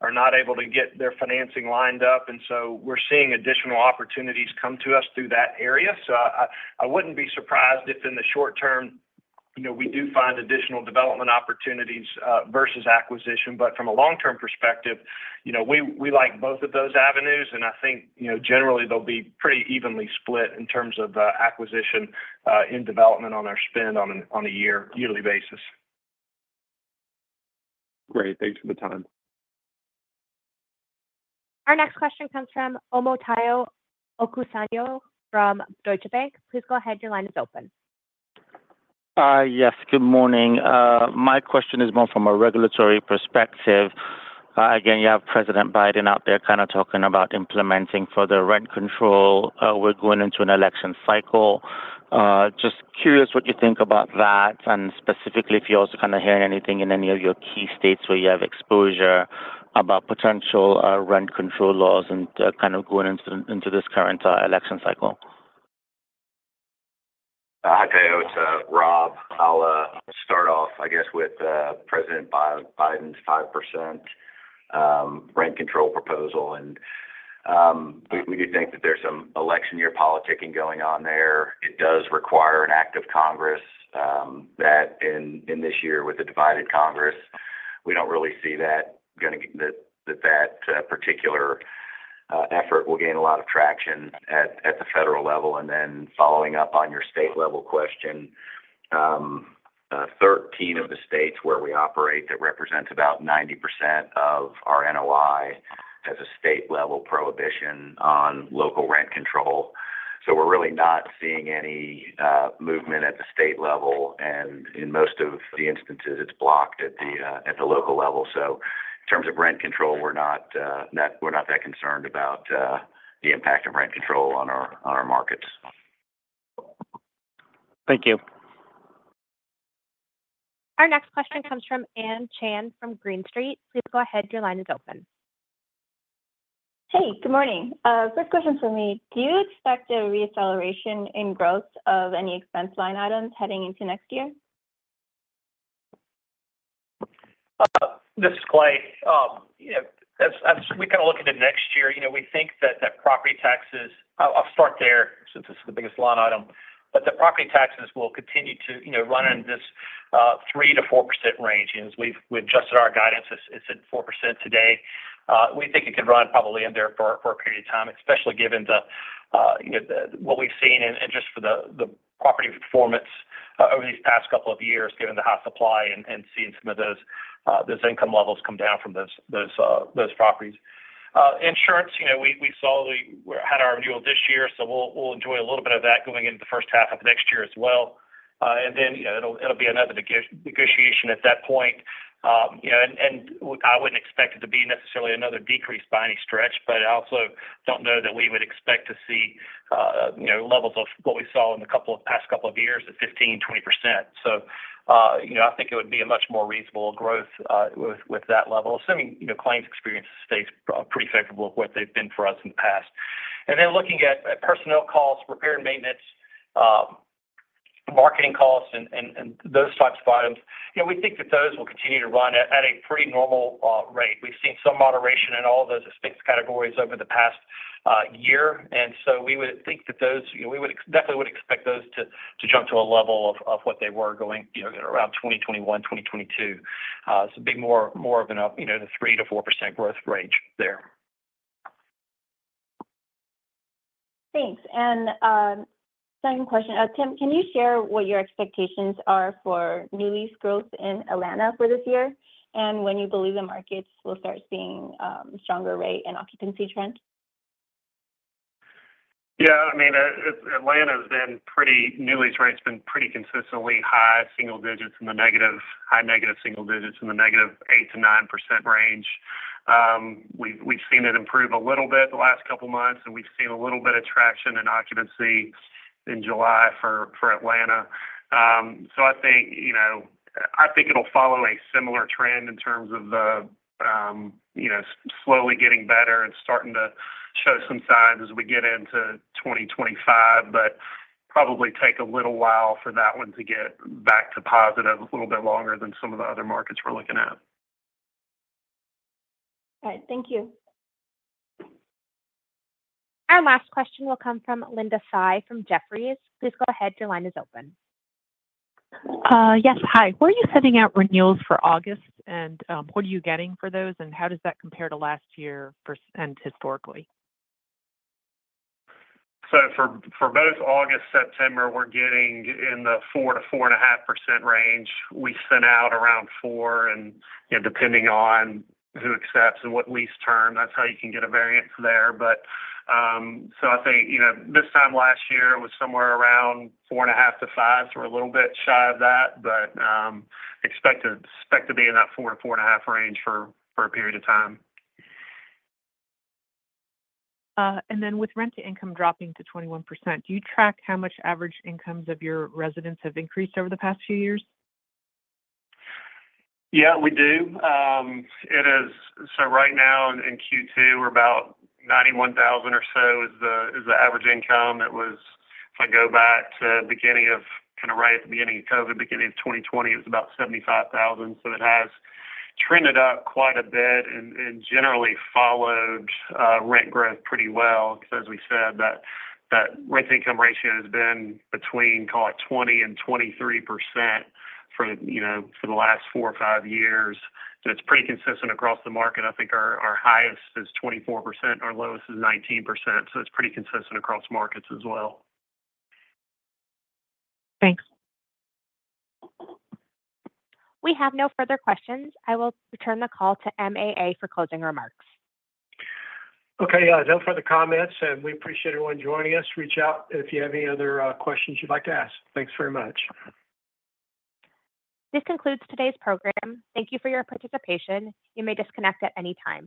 are not able to get their financing lined up, and so we're seeing additional opportunities come to us through that area. So I wouldn't be surprised if in the short term, you know, we do find additional development opportunities versus acquisition. But from a long-term perspective, you know, we like both of those avenues, and I think, you know, generally they'll be pretty evenly split in terms of acquisition in development on our spend on a yearly basis. Great. Thanks for the time. Our next question comes from Omotayo Okusanya from Deutsche Bank. Please go ahead. Your line is open. Yes, good morning. My question is more from a regulatory perspective. Again, you have President Biden out there kind of talking about implementing further rent control. We're going into an election cycle. Just curious what you think about that, and specifically, if you're also kind of hearing anything in any of your key states where you have exposure about potential rent control laws and kind of going into this current election cycle. Hi, Tayo. It's Rob. I'll start off, I guess, with President Biden's 5% rent control proposal, and we do think that there's some election year politicking going on there. It does require an act of Congress, that in this year, with a divided Congress, we don't really see that particular effort will gain a lot of traction at the federal level. And then following up on your state-level question, 13 of the states where we operate, that represents about 90% of our NOI, has a state-level prohibition on local rent control.... So we're really not seeing any movement at the state level, and in most of the instances, it's blocked at the local level. So in terms of rent control, we're not that concerned about the impact of rent control on our markets. Thank you. Our next question comes from Ann Chan from Green Street. Please go ahead. Your line is open. Hey, good morning. First question for me: Do you expect a reacceleration in growth of any expense line items heading into next year? This is Clay. You know, as we kind of look into next year, you know, we think that property taxes... I'll start there since it's the biggest line item. But the property taxes will continue to, you know, run in this 3%-4% range. And as we've adjusted our guidance, it's at 4% today. We think it could run probably in there for a period of time, especially given the, you know, the—what we've seen in, and just for the property performance over these past couple of years, given the high supply and seeing some of those income levels come down from those properties. Insurance, you know, we saw we had our renewal this year, so we'll enjoy a little bit of that going into the first half of next year as well. And then, you know, it'll be another negotiation at that point. You know, and we—I wouldn't expect it to be necessarily another decrease by any stretch, but I also don't know that we would expect to see, you know, levels of what we saw in the past couple of years at 15%, 20%. So, you know, I think it would be a much more reasonable growth, with that level, assuming, you know, claims experience stays pretty favorable of what they've been for us in the past. And then looking at personnel costs, repair and maintenance, marketing costs and those types of items, you know, we think that those will continue to run at a pretty normal rate. We've seen some moderation in all of those expense categories over the past year, and so we would think that those... You know, we would definitely expect those to jump to a level of what they were going, you know, around 2021, 2022. So it'd be more of an, you know, 3%-4% growth range there. Thanks. And, second question. Tim, can you share what your expectations are for new lease growth in Atlanta for this year? And when you believe the markets will start seeing stronger rate and occupancy trends? Yeah, I mean, Atlanta's been pretty... New lease rate's been pretty consistently high single digits in the negative, high negative single digits, in the negative 8%-9% range. We've seen it improve a little bit the last couple of months, and we've seen a little bit of traction in occupancy in July for Atlanta. So I think, you know, I think it'll follow a similar trend in terms of the, you know, slowly getting better and starting to show some signs as we get into 2025, but probably take a little while for that one to get back to positive, a little bit longer than some of the other markets we're looking at. All right. Thank you. Our last question will come from Linda Tsai from Jefferies. Please go ahead. Your line is open. Yes. Hi. Where are you sending out renewals for August, and what are you getting for those, and how does that compare to last year for... and historically? So for both August, September, we're getting in the 4%-4.5% range. We sent out around 4 and, you know, depending on who accepts and what lease term, that's how you can get a variance there. But so I think, you know, this time last year was somewhere around 4.5-5. So we're a little bit shy of that, but expect to be in that 4%-4.5% range for a period of time. With rent to income dropping to 21%, do you track how much average incomes of your residents have increased over the past few years? Yeah, we do. It is-- So right now in Q2, we're about $91,000 or so is the average income. It was... If I go back to beginning of, kind of right at the beginning of COVID, beginning of 2020, it was about $75,000. So it has trended up quite a bit and generally followed rent growth pretty well, because as we said, that rent income ratio has been between, call it, 20%-23% for, you know, for the last 4 or 5 years. So it's pretty consistent across the market. I think our highest is 24%, and our lowest is 19%, so it's pretty consistent across markets as well. Thanks. We have no further questions. I will return the call to MAA for closing remarks. Okay. No further comments, and we appreciate everyone joining us. Reach out if you have any other questions you'd like to ask. Thanks very much. This concludes today's program. Thank you for your participation. You may disconnect at any time.